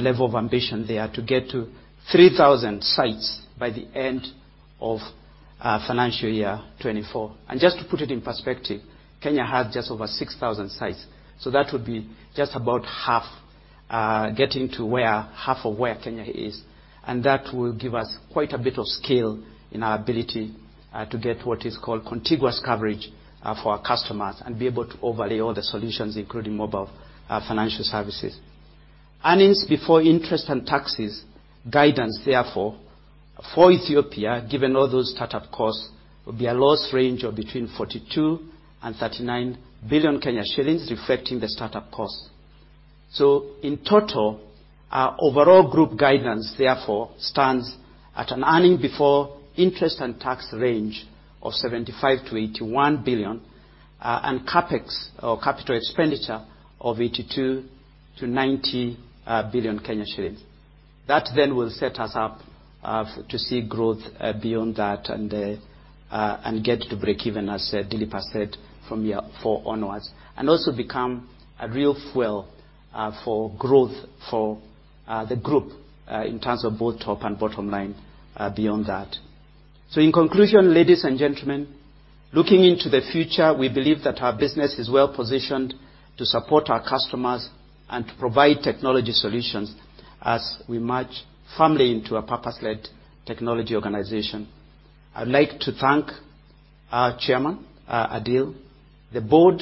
level of ambition there to get to 3,000 sites by the end of financial year 2024. Just to put it in perspective, Kenya has just over 6,000 sites. That would be just about half, getting to where half of where Kenya is, and that will give us quite a bit of scale in our ability to get what is called contiguous coverage for our customers and be able to overlay all the solutions, including mobile financial services. EBIT guidance, therefore, for Ethiopia, given all those start-up costs, will be a loss range of between 42 billion and 39 billion shillings, reflecting the start-up costs. In total, our overall group guidance therefore stands at an EBIT range of 75 billion-81 billion, and CapEx, or capital expenditure, of 82 billion-90 billion shillings. That will set us up to see growth beyond that and get to breakeven, as Dilip has said, from year 4 onwards, and also become a real fuel for growth for the group in terms of both top and bottom line beyond that. In conclusion, ladies and gentlemen, looking into the future, we believe that our business is well positioned to support our customers and to provide technology solutions as we march firmly into a purpose-led technology organization. I'd like to thank our Chairman, Adil, the board,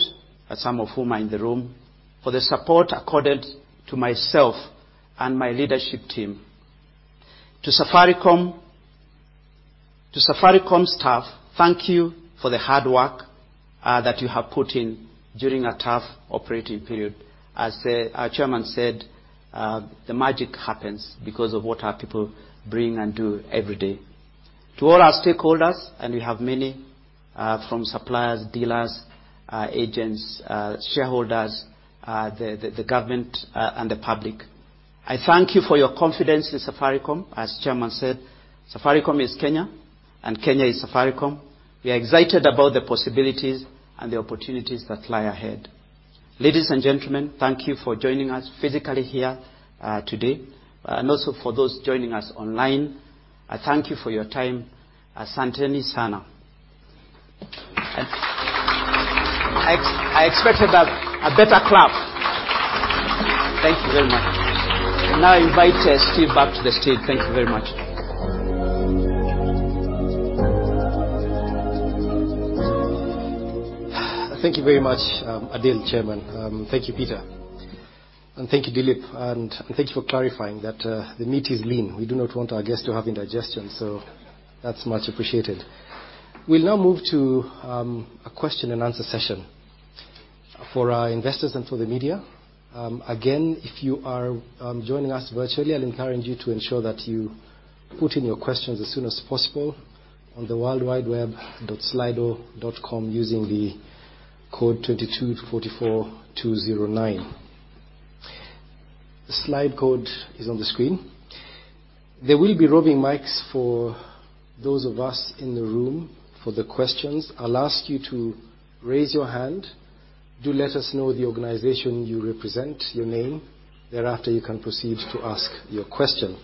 some of whom are in the room, for the support accorded to myself and my leadership team. To Safaricom, to Safaricom staff, thank you for the hard work that you have put in during a tough operating period. As our Chairman said, the magic happens because of what our people bring and do every day. To all our stakeholders, and we have many, from suppliers, dealers, agents, shareholders, the government, and the public, I thank you for your confidence in Safaricom. As Chairman said, Safaricom is Kenya, and Kenya is Safaricom. We are excited about the possibilities and the opportunities that lie ahead. Ladies and gentlemen, thank you for joining us physically here, today, and also for those joining us online. I thank you for your time. Asante Sana. I expected a better clap. Thank you very much. I invite Steve back to the stage. Thank you very much. Thank you very much, Adil, Chairman. Thank you, Peter, and thank you, Dilip. Thank you for clarifying that the meat is lean. We do not want our guests to have indigestion, so that's much appreciated. We'll now move to a question and answer session for our investors and for the media. Again, if you are joining us virtually, I'll encourage you to ensure that you put in your questions as soon as possible on the worldwideweb.slido.com using the code 2244209. The Slido code is on the screen. There will be roving mics for those of us in the room for the questions. I'll ask you to raise your hand. Do let us know the organization you represent, your name. Thereafter, you can proceed to ask your question.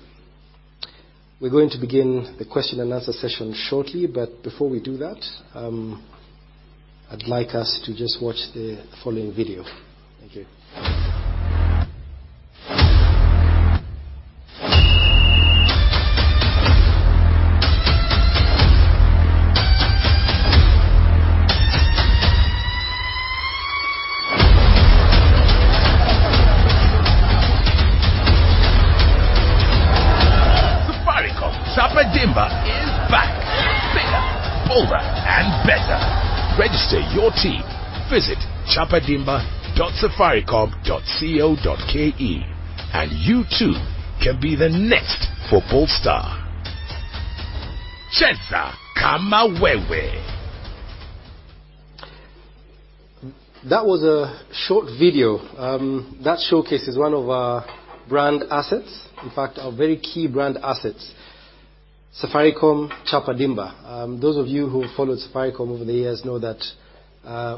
We're going to begin the question and answer session shortly. Before we do that, I'd like us to just watch the following video. Thank you. Safaricom Chapa Dimba is back, bigger, bolder, and better. Register your team. Visit chapadimba.safaricom.co.ke, and you too can be the next football star. Cheza kama wewe. That was a short video that showcases one of our brand assets. In fact, our very key brand assets, Safaricom Chapa Dimba. Those of you who have followed Safaricom over the years know that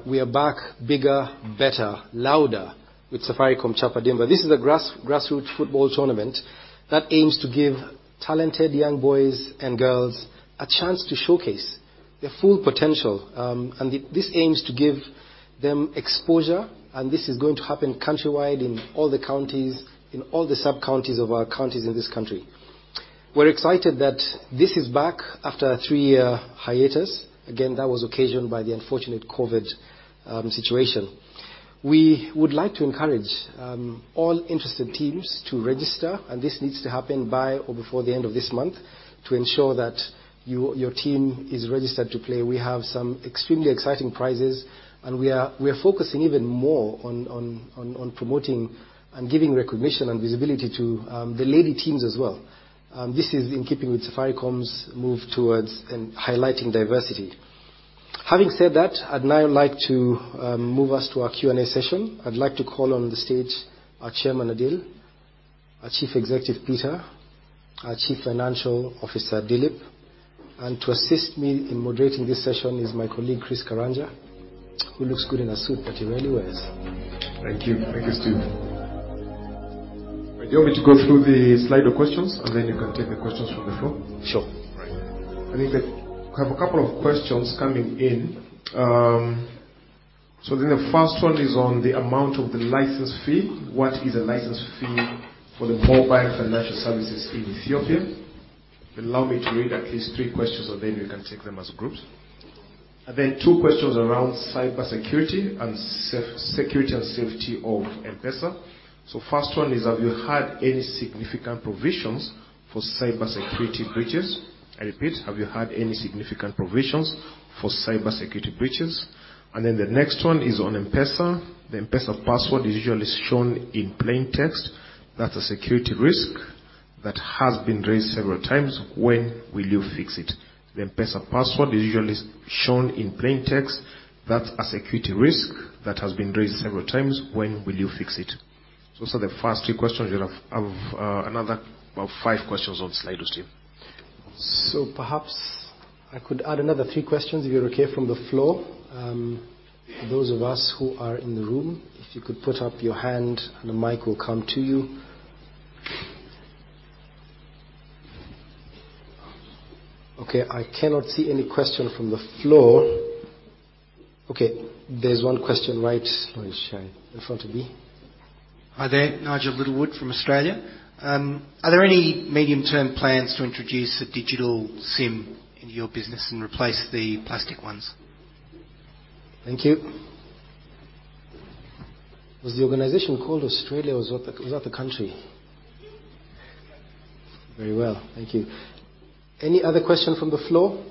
we are back bigger, better, louder with Safaricom Chapa Dimba. This is a grassroots football tournament that aims to give talented young boys and girls a chance to showcase their full potential. This aims to give them exposure, and this is going to happen countrywide in all the counties, in all the sub-counties of our counties in this country. We're excited that this is back after a three-year hiatus. Again, that was occasioned by the unfortunate COVID situation. We would like to encourage all interested teams to register. This needs to happen by or before the end of this month to ensure that your team is registered to play. We have some extremely exciting prizes. We are focusing even more on promoting and giving recognition and visibility to the lady teams as well. This is in keeping with Safaricom's move towards and highlighting diversity. Having said that, I'd now like to move us to our Q&A session. I'd like to call on the stage our Chairman, Adil, our Chief Executive, Peter, our Chief Financial Officer, Dilip. To assist me in moderating this session is my colleague, Chris Karanja, who looks good in a suit, but he rarely wears. Thank you. Thank you, Steve. Do you want me to go through the Slido questions, and then you can take the questions from the floor? Sure. Right. I think that we have a couple of questions coming in. The first one is on the amount of the license fee. What is the license fee for the mobile financial services in Ethiopia? Allow me to read at least 3 questions, you can take them as groups. 2 questions around cybersecurity and security and safety of M-PESA. First one is, have you had any significant provisions for cybersecurity breaches? I repeat, have you had any significant provisions for cybersecurity breaches? The next one is on M-PESA. The M-PESA password is usually shown in plain text. That's a security risk that has been raised several times. When will you fix it? The M-PESA password is usually shown in plain text. That's a security risk that has been raised several times. When will you fix it? those are the first two questions. We have another about five questions on Slido, Stephen. Perhaps I could add another three questions, if you're okay, from the floor. Those of us who are in the room, if you could put up your hand and the mic will come to you. I cannot see any question from the floor. There's one question right in front of me. Hi there. Nigel Littlewood from Australia. Are there any medium-term plans to introduce a digital SIM into your business and replace the plastic ones? Thank you. Was the organization called Australia or was that the country? Very well. Thank you. Any other question from the floor?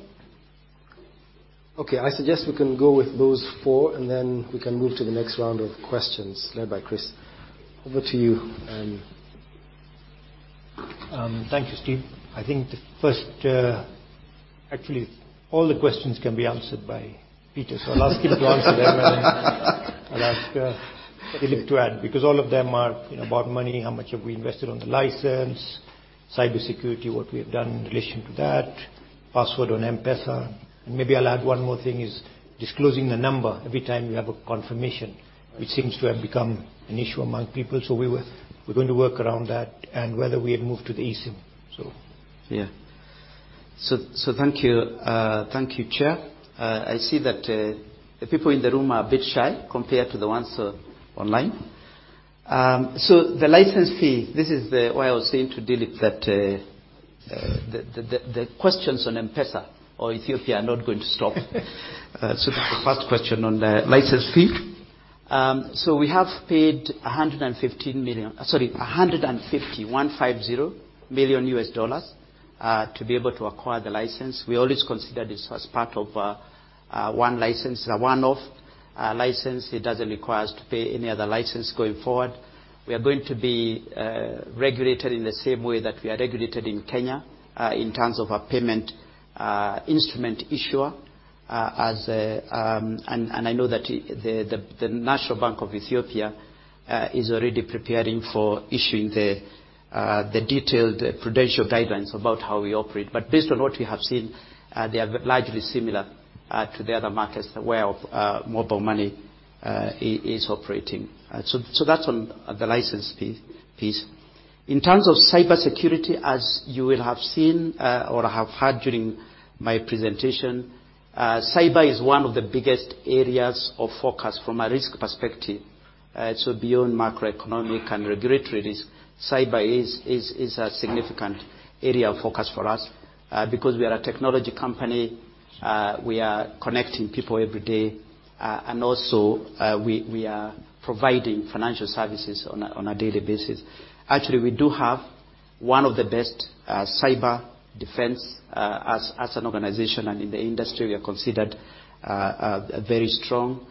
Okay, I suggest we can go with those four, and then we can move to the next round of questions led by Chris. Over to you. Thank you, Steve. I think the first. Actually, all the questions can be answered by Peter. I'll ask him to answer them. Then I'll ask Dilip to add, because all of them are, you know, about money, how much have we invested on the license, cybersecurity, what we have done in relation to that, password on M-PESA. Maybe I'll add one more thing, disclosing the number every time you have a confirmation, which seems to have become an issue among people. We're going to work around that and whether we had moved to the eSIM. Thank you, Chair. I see that the people in the room are a bit shy compared to the ones online. The license fee, this is why I was saying to Dilip that the questions on M-PESA or Ethiopia are not going to stop. The first question on the license fee. We have paid $115 million. Sorry, $150 million to be able to acquire the license. We always considered this as part of one license, a one-off license. It doesn't require us to pay any other license going forward. We are going to be regulated in the same way that we are regulated in Kenya, in terms of a payment instrument issuer, as... I know that the National Bank of Ethiopia is already preparing for issuing the detailed prudential guidelines about how we operate. Based on what we have seen, they are largely similar to the other markets where mobile money is operating. That's on the license fee. In terms of cybersecurity, as you will have seen or have heard during my presentation, cyber is one of the biggest areas of focus from a risk perspective. Beyond macroeconomic and regulatory risk, cyber is a significant area of focus for us because we are a technology company. We are connecting people every day. We are providing financial services on a daily basis. Actually, we do have one of the best cyber defense as an organization and in the industry, we are considered very strong.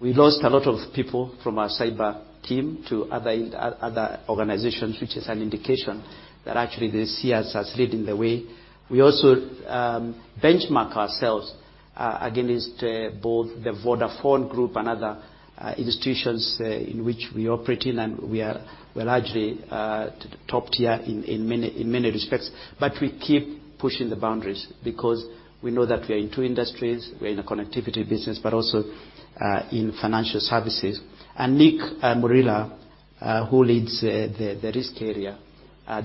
We lost a lot of people from our cyber team to other organizations, which is an indication that actually they see us as leading the way. We also benchmark ourselves against both the Vodafone Group and other institutions in which we operate in, and we're largely top tier in many respects. We keep pushing the boundaries because we know that we are in two industries. We're in a connectivity business, but also in financial services. Nicholas Mulila, who leads the risk area,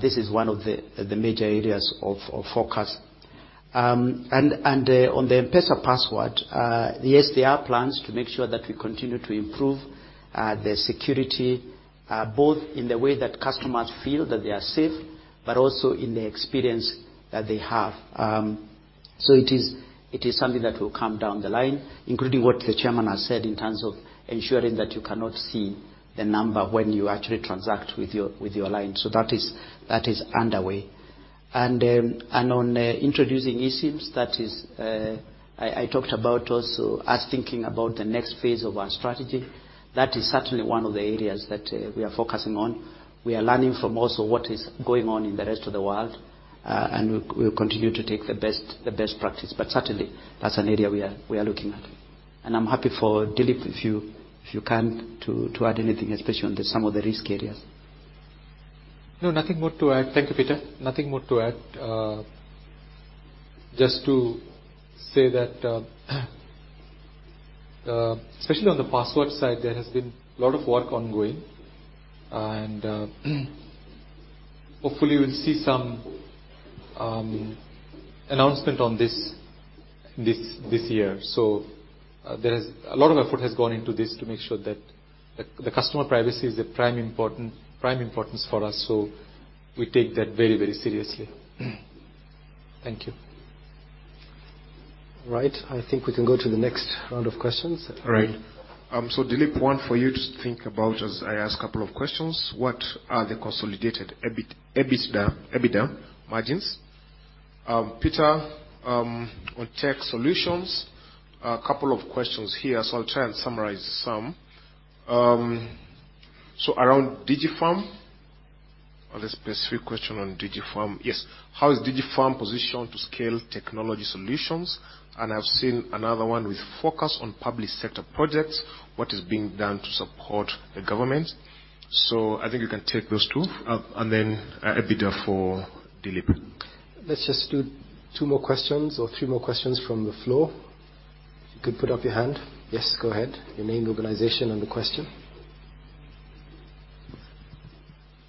this is one of the major areas of focus. On the M-PESA password, yes, there are plans to make sure that we continue to improve the security, both in the way that customers feel that they are safe, but also in the experience that they have. It is something that will come down the line, including what the Chairman has said in terms of ensuring that you cannot see the number when you actually transact with your line. That is underway. On introducing eSIMs, I talked about also us thinking about the next phase of our strategy. That is certainly one of the areas that we are focusing on. We are learning from also what is going on in the rest of the world. We'll continue to take the best practice. Certainly that's an area we are looking at. I'm happy for Dilip, if you can, to add anything, especially on some of the risk areas. No, nothing more to add. Thank you, Peter. Nothing more to add. Just to say that, especially on the password side, there has been a lot of work ongoing, and hopefully we'll see some announcement on this, this year. A lot of effort has gone into this to make sure that the customer privacy is the prime importance for us. We take that very, very seriously. Thank you. All right. I think we can go to the next round of questions. All right. Dilip, one for you to think about as I ask a couple of questions. What are the consolidated EBITDA margins? Peter, on tech solutions, a couple of questions here, I'll try and summarize some. Around DigiFarm. On a specific question on DigiFarm. Yes. How is DigiFarm positioned to scale technology solutions? I've seen another one with focus on public sector projects. What is being done to support the government? I think you can take those two. EBITDA for Dilip. Let's just do two more questions or three more questions from the floor. You could put up your hand. Yes, go ahead. Your name, organization, and the question.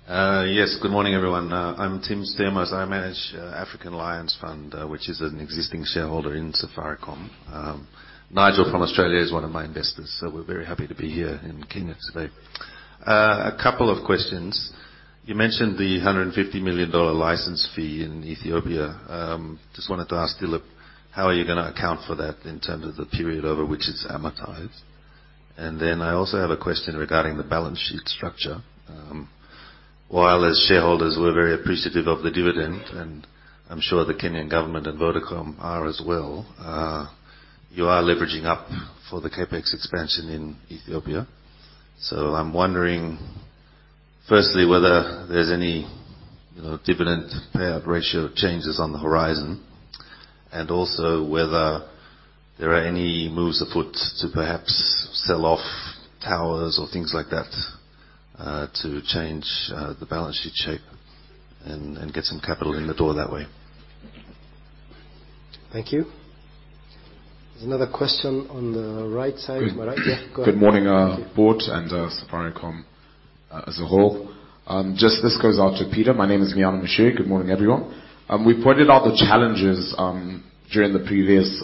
Yes. Good morning, everyone. I'm Tim Stamos. I manage African Alliance Fund, which is an existing shareholder in Safaricom. Nigel from Australia is one of my investors, so we're very happy to be here in Kenya today. A couple of questions. You mentioned the $150 million license fee in Ethiopia. Just wanted to ask Dilip, how are you gonna account for that in terms of the period over which it's amortized? I also have a question regarding the balance sheet structure. While as shareholders we're very appreciative of the dividend, and I'm sure the Kenyan government and Vodafone are as well, you are leveraging up for the CapEx expansion in Ethiopia. I'm wondering, firstly, whether there's any, you know, dividend payout ratio changes on the horizon, and also whether there are any moves afoot to perhaps sell off towers or things like that, to change the balance sheet shape and get some capital in the door that way. Thank you. There's another question on the right side. All right, yeah, go ahead. Good morning, board and Safaricom as a whole. Just this goes out to Peter. My name is Nyambura Koigi. Good morning, everyone. We pointed out the challenges during the previous,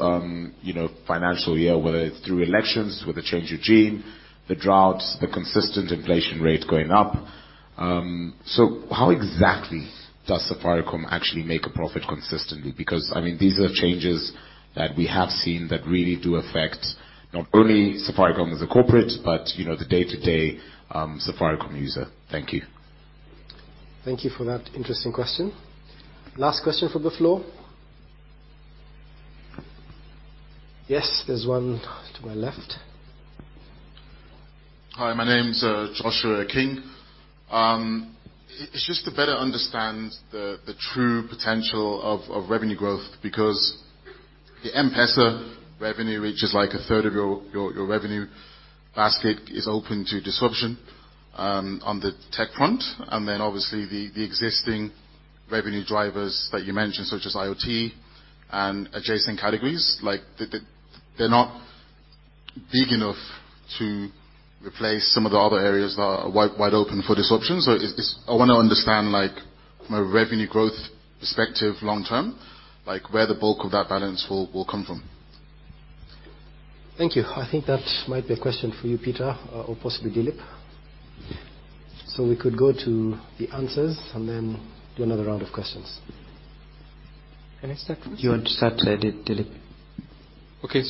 you know, financial year, whether it's through elections, with the change of regime, the droughts, the consistent inflation rate going up. How exactly does Safaricom actually make a profit consistently? Because, I mean, these are changes that we have seen that really do affect not only Safaricom as a corporate, but, you know, the day-to-day Safaricom user. Thank you. Thank you for that interesting question. Last question from the floor. Yes, there's one to my left. Hi, my name's Joshua King. It's just to better understand the true potential of revenue growth, because the M-PESA revenue, which is like a third of your revenue basket, is open to disruption on the tech front. Obviously the existing revenue drivers that you mentioned, such as IoT and adjacent categories, like they're not big enough to replace some of the other areas that are wide open for disruption. I wanna understand like from a revenue growth perspective long term, like where the bulk of that balance will come from. Thank you. I think that might be a question for you, Peter, or possibly Dilip. We could go to the answers and then do another round of questions. Can I start with you? You want to start, Dilip? Okay.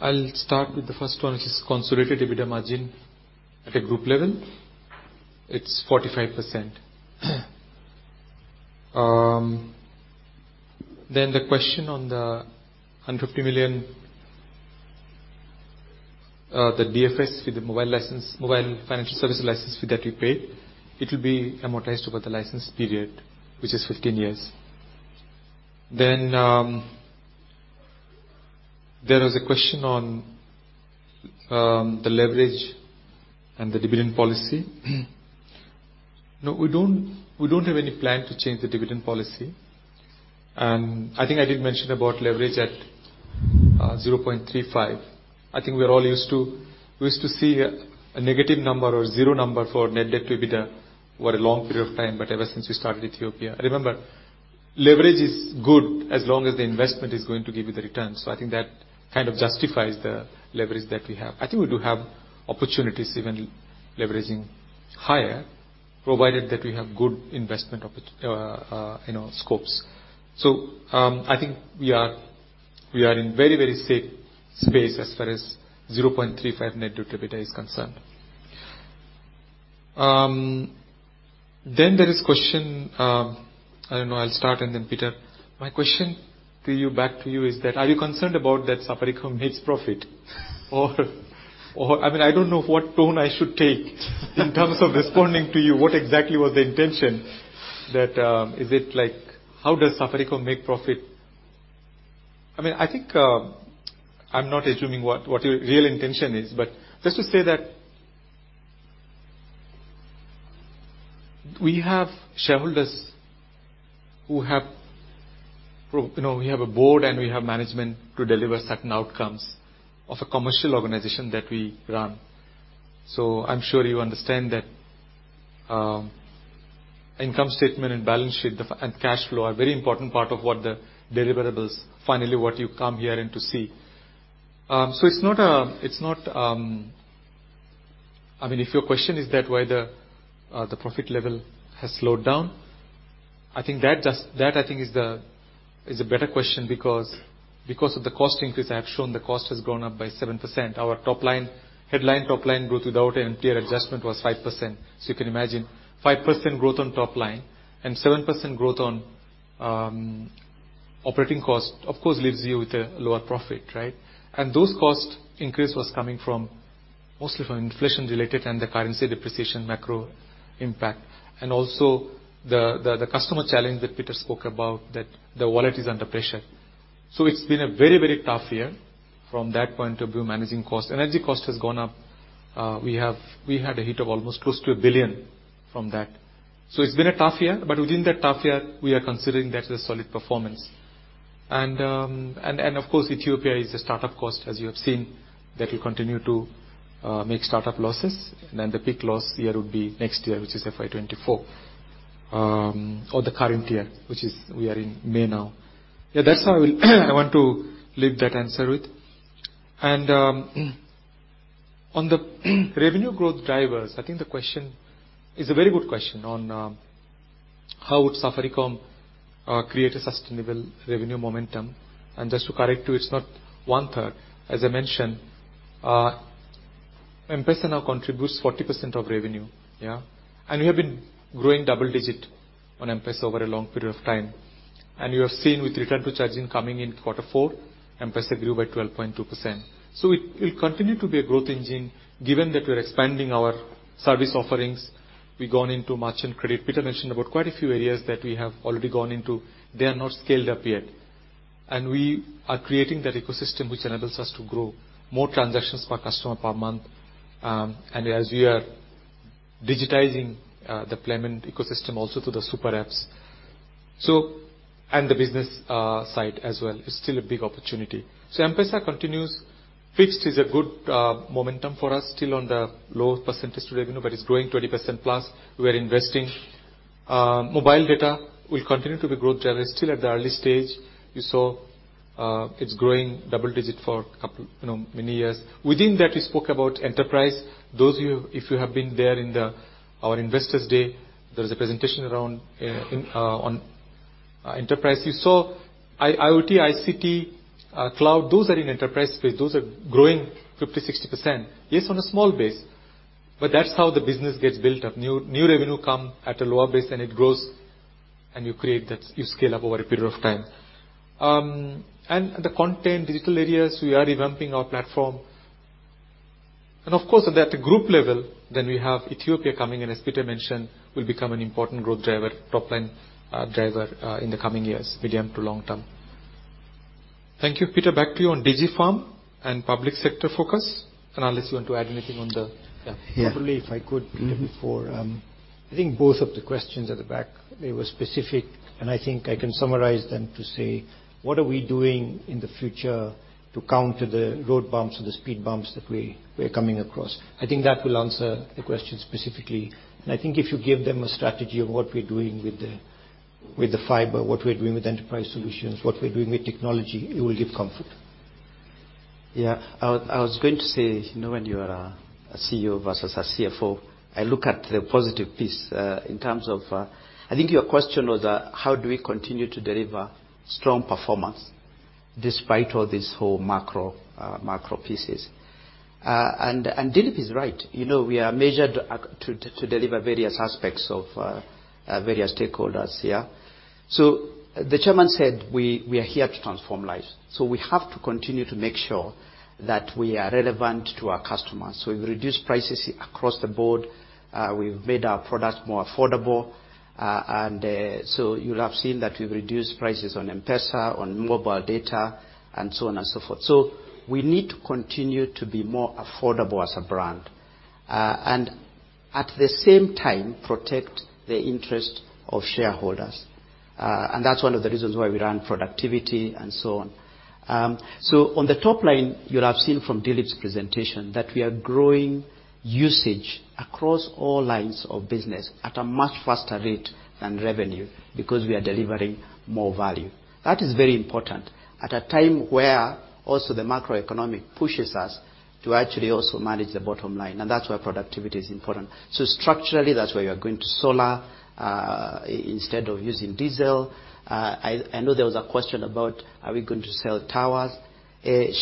I'll start with the first one, which is consolidated EBITDA margin at a group level. It's 45%. The question on the $150 million, the DFS fee, the mobile license, mobile financial service license fee that we paid, it will be amortized over the license period, which is 15 years. There was a question on the leverage and the dividend policy. No, we don't have any plan to change the dividend policy. I think I did mention about leverage at 0.35. We're all used to, we used to see a negative number or zero number for net debt to EBITDA over a long period of time, ever since we started Ethiopia. Remember, leverage is good as long as the investment is going to give you the returns. I think that kind of justifies the leverage that we have. I think we do have opportunities even leveraging higher, provided that we have good investment, you know, scopes. I think we are, we are in very, very safe space as far as 0.35 net debt to EBITDA is concerned. There is question, I don't know, I'll start and Peter. My question to you, back to you is that, are you concerned about that Safaricom makes profit? I mean, I don't know what tone I should take in terms of responding to you. What exactly was the intention? That, is it like, how does Safaricom make profit? I mean, I think, I'm not assuming what your real intention is, but just to say that we have shareholders who have, you know, we have a board and we have management to deliver certain outcomes of a commercial organization that we run. I'm sure you understand that, income statement and balance sheet, and cash flow are very important part of what the deliverables, finally what you come here in to see. It's not, it's not… I mean, if your question is that why the profit level has slowed down, I think that I think is a better question because of the cost increase. I have shown the cost has gone up by 7%. Our top line, headline top line growth without an MTR adjustment was 5%. You can imagine 5% growth on top line and 7% growth on operating costs of course leaves you with a lower profit, right? Those cost increase was coming from, mostly from inflation-related and the currency depreciation macro impact. Also the customer challenge that Peter spoke about that the wallet is under pressure. It's been a very, very tough year from that point of view, managing costs. Energy cost has gone up. We had a hit of almost close to 1 billion from that. It's been a tough year. Within that tough year, we are considering that a solid performance. Of course, Ethiopia is a start-up cost, as you have seen, that will continue to make start-up losses. The peak loss year would be next year, which is FY 2024. Or the current year, which is, we are in May now. Yeah, that's how I will, I want to leave that answer with. On the revenue growth drivers, I think the question is a very good question on how would Safaricom create a sustainable revenue momentum? Just to correct you, it's not 1/3. As I mentioned, M-PESA now contributes 40% of revenue. Yeah. We have been growing double digit on M-PESA over a long period of time. You have seen with return to charging coming in quarter four, M-PESA grew by 12.2%. It will continue to be a growth engine, given that we are expanding our service offerings. We've gone into merchant credit. Peter mentioned about quite a few areas that we have already gone into. They are not scaled up yet. We are creating that ecosystem which enables us to grow more transactions per customer per month. As we are Digitizing the payment ecosystem also through the super apps. The business side as well is still a big opportunity. M-PESA continues. Fixed is a good momentum for us, still on the low percentage to revenue, but it's growing 20%+. We're investing. Mobile data will continue to be growth driver, still at the early stage. You saw it's growing double digit for you know, many years. Within that, we spoke about enterprise. Those of you, if you have been there in our investors day, there was a presentation around in on enterprise. You saw IoT, ICT, cloud, those are in enterprise space. Those are growing 50%, 60%. Yes, on a small base. That's how the business gets built up. New revenue come at a lower base, and it grows, and you create that. You scale up over a period of time. The content, digital areas, we are revamping our platform. Of course, at the group level, then we have Ethiopia coming in, as Peter mentioned, will become an important growth driver, top line driver, in the coming years, medium to long term. Thank you. Peter, back to you on DigiFarm and public sector focus. Unless you want to add anything on the, yeah. Yeah. Probably, if I could, Peter, before, I think both of the questions at the back, they were specific, and I think I can summarize them to say, what are we doing in the future to counter the road bumps or the speed bumps that we're coming across? I think that will answer the question specifically. I think if you give them a strategy of what we're doing with the, with the fiber, what we're doing with enterprise solutions, what we're doing with technology, it will give comfort. Yeah. I was going to say, you know, when you are a CEO versus a CFO, I look at the positive piece in terms of. I think your question was, how do we continue to deliver strong performance despite all this whole macro pieces? Dilip is right. You know, we are measured to deliver various aspects of various stakeholders here. The Chairman said we are here to transform lives, so we have to continue to make sure that we are relevant to our customers. We've reduced prices across the board, we've made our products more affordable, and so you'll have seen that we've reduced prices on M-PESA, on mobile data, and so on and so forth. We need to continue to be more affordable as a brand, and at the same time, protect the interest of shareholders. And that's one of the reasons why we run productivity and so on. On the top line, you'll have seen from Dilip's presentation that we are growing usage across all lines of business at a much faster rate than revenue because we are delivering more value. That is very important. At a time where also the macroeconomic pushes us to actually also manage the bottom line, and that's why productivity is important. Structurally, that's why we are going to solar instead of using diesel. I know there was a question about, are we going to sell towers?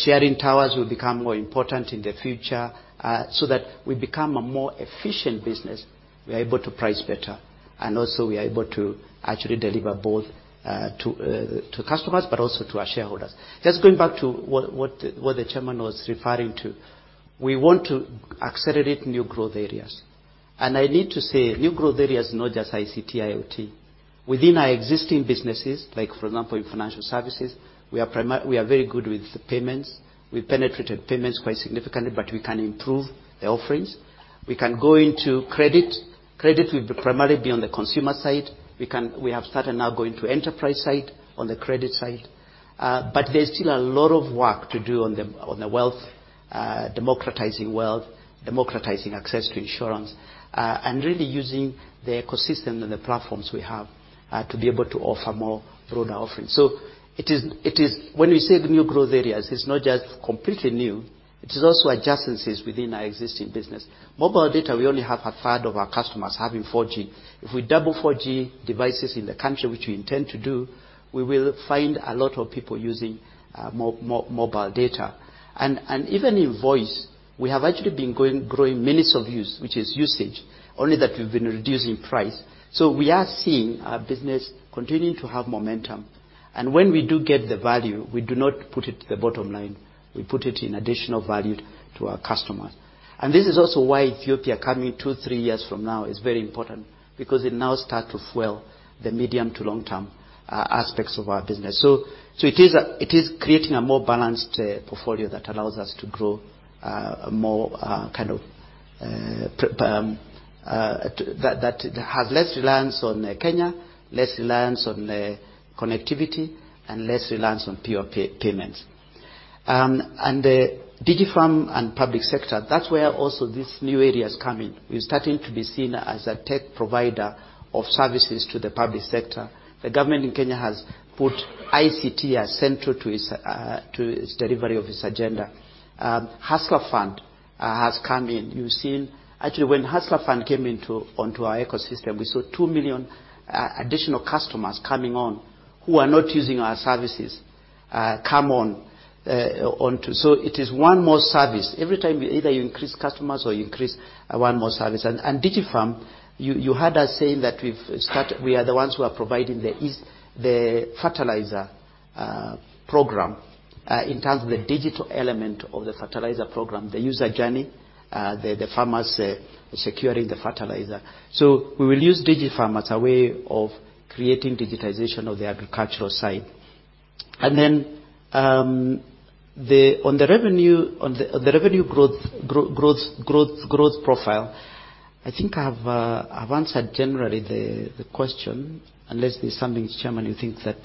Sharing towers will become more important in the future, so that we become a more efficient business. We're able to price better, also we are able to actually deliver both to customers, but also to our shareholders. Just going back to what the, what the chairman was referring to, we want to accelerate new growth areas. I need to say new growth areas are not just ICT, IoT. Within our existing businesses, like for example, in financial services, we are very good with payments. We penetrated payments quite significantly, but we can improve the offerings. We can go into credit. Credit will primarily be on the consumer side. We can, we have started now going to enterprise side on the credit side. But there's still a lot of work to do on the wealth, democratizing wealth, democratizing access to insurance, and really using the ecosystem and the platforms we have to be able to offer more broader offerings. When we say the new growth areas, it's not just completely new, it is also adjacencies within our existing business. Mobile data, we only have a third of our customers having 4G. If we double 4G devices in the country, which we intend to do, we will find a lot of people using mobile data. Even in voice, we have actually been growing minutes of use, which is usage, only that we've been reducing price. We are seeing our business continuing to have momentum. When we do get the value, we do not put it to the bottom line. We put it in additional value to our customers. This is also why Ethiopia coming two, three years from now is very important, because it now starts to fuel the medium to long term aspects of our business. It is creating a more balanced portfolio that allows us to grow more kind of that has less reliance on Kenya, less reliance on connectivity, and less reliance on pure payments. The DigiFarm and public sector, that's where also these new areas come in. We're starting to be seen as a tech provider of services to the public sector. The government in Kenya has put ICT as central to its delivery of its agenda. Hustler Fund has come in. You've seen... Actually, when Hustler Fund came into, onto our ecosystem, we saw 2 million additional customers coming on, who are not using our services, come on, onto. It is one more service. Every time either you increase customers or you increase one more service. And DigiFarm, you heard us saying that we've started, we are the ones who are providing the e-fertilizer program, in terms of the digital element of the fertilizer program, the user journey, the farmers, securing the fertilizer. We will use DigiFarm as a way of creating digitization of the agricultural side. The, on the revenue, on the, on the revenue growth profile, I think I've answered generally the question, unless there's something, chairman, you think that...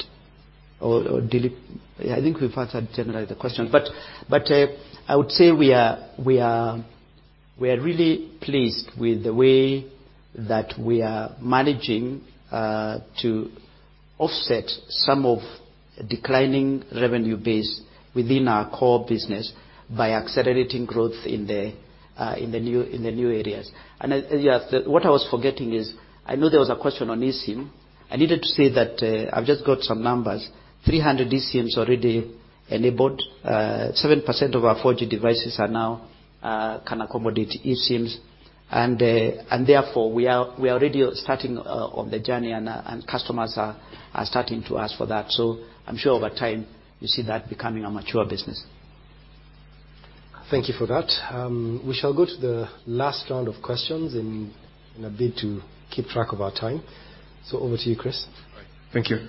Or, or Dilip. I think we've answered generally the question. I would say we are really pleased with the way that we are managing to offset some of declining revenue base within our core business by accelerating growth in the new areas. Yes, what I was forgetting is I know there was a question on eSIM. I needed to say that, I've just got some numbers, 300 eSIMs already enabled. 7% of our 4G devices are now can accommodate eSIMs and therefore we are already starting on the journey and customers are starting to ask for that. I'm sure over time you see that becoming a mature business. Thank you for that. We shall go to the last round of questions in a bid to keep track of our time. Over to you, Chris. Right. Thank you.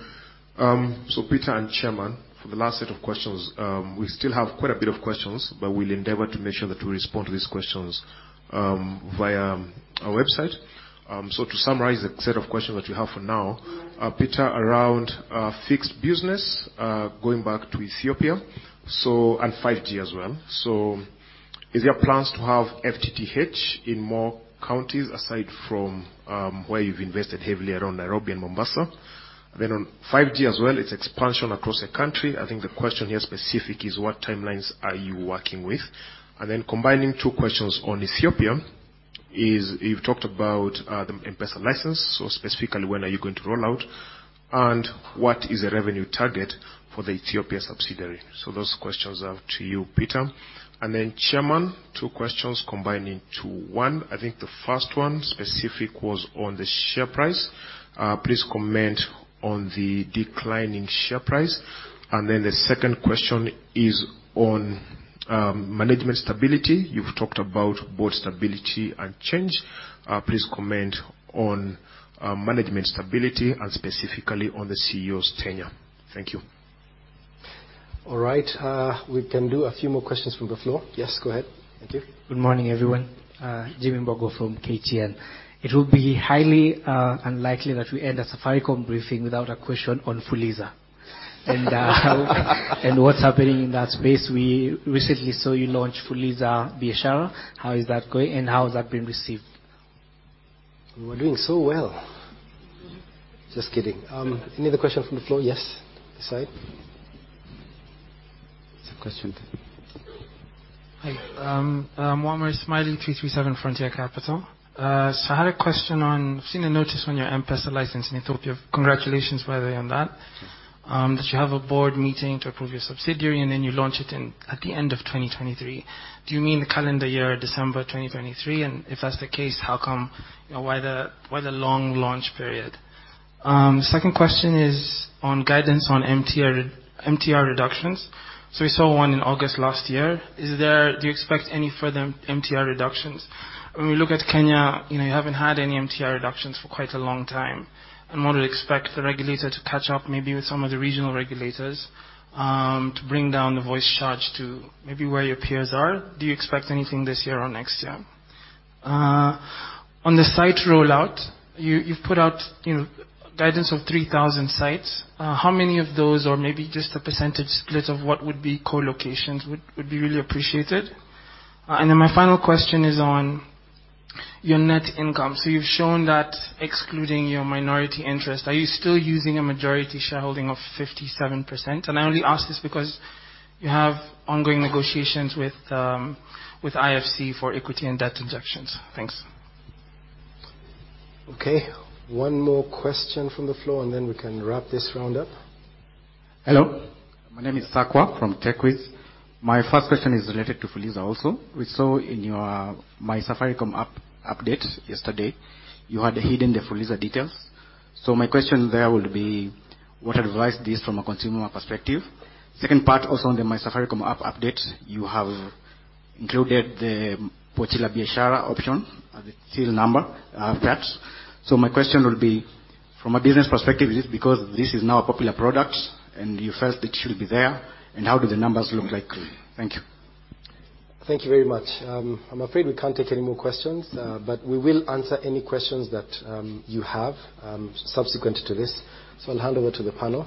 Peter and Chairman, for the last set of questions, we still have quite a bit of questions, but we'll endeavor to make sure that we respond to these questions via our website. To summarize the set of questions that you have for now, Peter, around fixed business, going back to Ethiopia, and 5G as well. Is there plans to have FTTH in more counties aside from where you've invested heavily around Nairobi and Mombasa? On 5G as well, its expansion across the country. I think the question here specific is what timelines are you working with? Combining two questions on Ethiopia is you've talked about the M-PESA license. Specifically, when are you going to roll out, and what is the revenue target for the Ethiopia subsidiary? Those questions are to you, Peter. Chairman, two questions combined into one. I think the first one specific was on the share price. Please comment on the declining share price. The second question is on management stability. You've talked about both stability and change. Please comment on management stability and specifically on the CEO's tenure. Thank you. All right. We can do a few more questions from the floor. Yes, go ahead. Thank you. Good morning, everyone. Jimmy Mbogoh from KTN. It will be highly unlikely that we end a Safaricom briefing without a question on Fuliza. And what's happening in that space. We recently saw you launch Fuliza Biashara. How is that going, and how has that been received? We were doing so well. Just kidding. Any other question from the floor? Yes. This side. There's a question. Hi. Waleed Smaili, 337 Frontier Capital. I had a question on, I've seen a notice on your M-PESA license in Ethiopia. Congratulations by the way on that. That you have a board meeting to approve your subsidiary, and then you launch it in, at the end of 2023. Do you mean the calendar year, December 2023? If that's the case, how come, you know, why the, why the long launch period? Second question is on guidance on MTR reductions. We saw 1 in August last year. Do you expect any further MTR reductions? When we look at Kenya, you know, you haven't had any MTR reductions for quite a long time. I want to expect the regulator to catch up maybe with some of the regional regulators to bring down the voice charge to maybe where your peers are. Do you expect anything this year or next year? On the site rollout, you've put out, you know, guidance of 3,000 sites. How many of those or maybe just a % split of what would be co-locations would be really appreciated. My final question is on your net income. You've shown that excluding your minority interest, are you still using a majority shareholding of 57%? I only ask this because you have ongoing negotiations with IFC for equity and debt injections. Okay. One more question from the floor, and then we can wrap this round up. Hello. My name is Sakwa from Techweez. My first question is related to Fuliza also. We saw in your My Safaricom app update yesterday, you had hidden the Fuliza details. My question there would be, what advice this from a consumer perspective? Second part, also on the My Safaricom app update, you have included the Pochi La Biashara option as a field number, perhaps. My question would be, from a business perspective, is it because this is now a popular product and you felt it should be there? How do the numbers look like? Thank you. Thank you very much. I'm afraid we can't take any more questions, but we will answer any questions that you have subsequent to this. I'll hand over to the panel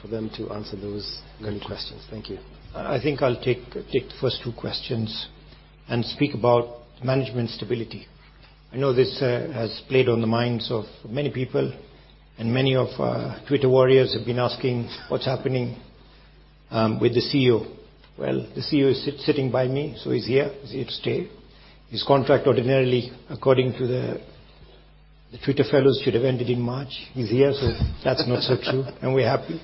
for them to answer those. Thank you. kind of questions. Thank you. I think I'll take the first two questions and speak about management stability. I know this has played on the minds of many people, and many of our Twitter warriors have been asking, "What's happening with the CEO?" Well, the CEO is sitting by me, so he's here. He's here to stay. His contract ordinarily, according to the Twitter fellows, should have ended in March. He's here, so that's not so true, and we're happy.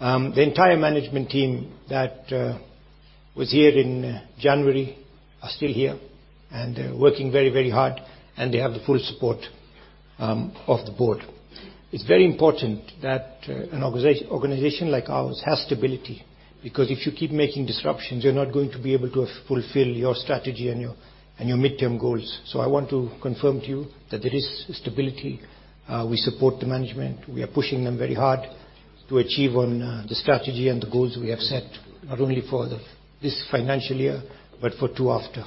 The entire management team that was here in January are still here and working very, very hard, and they have the full support of the board. It's very important that an organization like ours has stability. If you keep making disruptions, you're not going to be able to fulfill your strategy and your, and your midterm goals. I want to confirm to you that there is stability. We support the management. We are pushing them very hard to achieve on the strategy and the goals we have set, not only for this financial year, but for 2 after.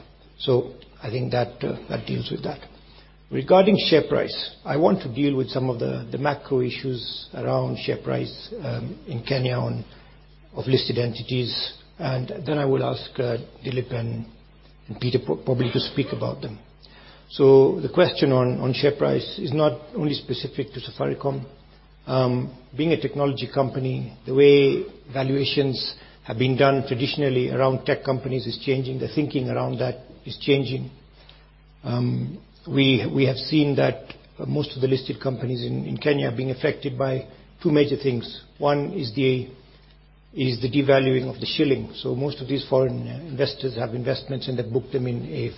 I think that deals with that. Regarding share price, I want to deal with some of the macro issues around share price in Kenya on of listed entities, and then I will ask Dilip and Peter probably to speak about them. The question on share price is not only specific to Safaricom. Being a technology company, the way valuations have been done traditionally around tech companies is changing. The thinking around that is changing. We have seen that most of the listed companies in Kenya are being affected by two major things. One is the devaluing of the shilling. Most of these foreign investors have investments, and they book them in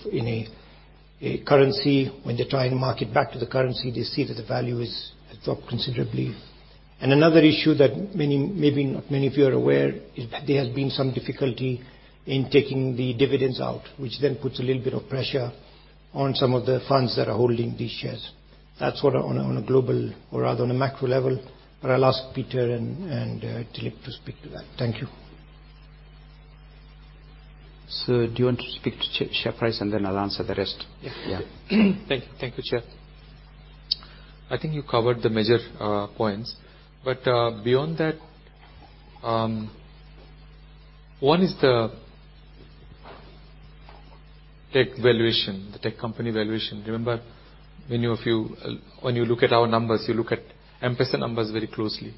a currency. When they try and mark it back to the currency, they see that the value has dropped considerably. Another issue that many, maybe not many of you are aware, is that there has been some difficulty in taking the dividends out, which then puts a little bit of pressure on some of the funds that are holding these shares. That's what on a global or rather on a macro level, but I'll ask Peter and Dilip to speak to that. Thank you. Sir, do you want to speak to share price, then I'll answer the rest? Yeah. Yeah. Thank you, Chair. I think you covered the major points. Beyond that, one is the tech valuation, the tech company valuation. Remember, many of you, when you look at our numbers, you look at M-PESA numbers very closely.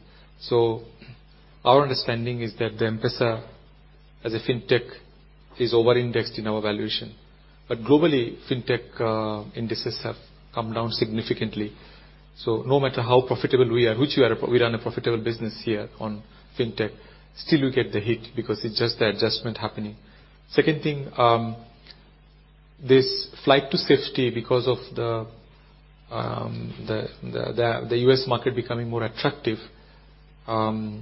Our understanding is that the M-PESA, as a fintech, is over-indexed in our valuation. Globally, fintech indices have come down significantly. No matter how profitable we are, which we run a profitable business here on fintech, still you get the hit because it's just the adjustment happening. Second thing, this flight to safety because of the U.S. market becoming more attractive. There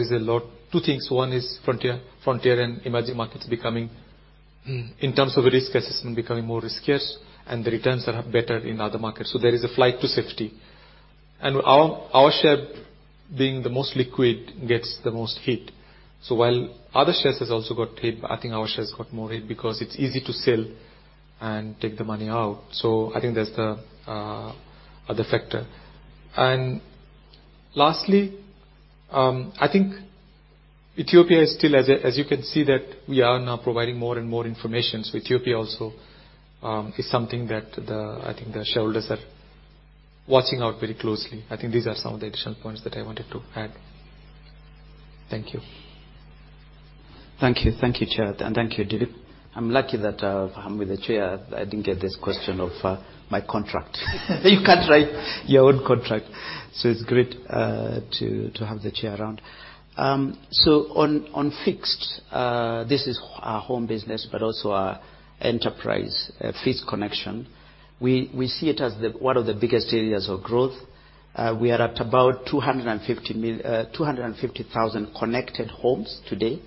is a lot... Two things. frontier and emerging markets becoming, in terms of a risk assessment, becoming more riskiest and the returns are better in other markets. There is a flight to safety. Our share being the most liquid gets the most hit. While other shares has also got hit, but I think our share has got more hit because it's easy to sell and take the money out. I think that's the other factor. Lastly, I think Ethiopia is still as you can see that we are now providing more and more information. Ethiopia also is something that the, I think, the shareholders are watching out very closely. I think these are some of the additional points that I wanted to add. Thank you. Thank you. Thank you, Chair, and thank you, Dilip. I'm lucky that I'm with the Chair. I didn't get this question of my contract. You can't write your own contract, so it's great to have the Chair around. On fixed, this is our home business, but also our enterprise, fixed connection. We see it as the one of the biggest areas of growth. We are at about 250,000 connected homes today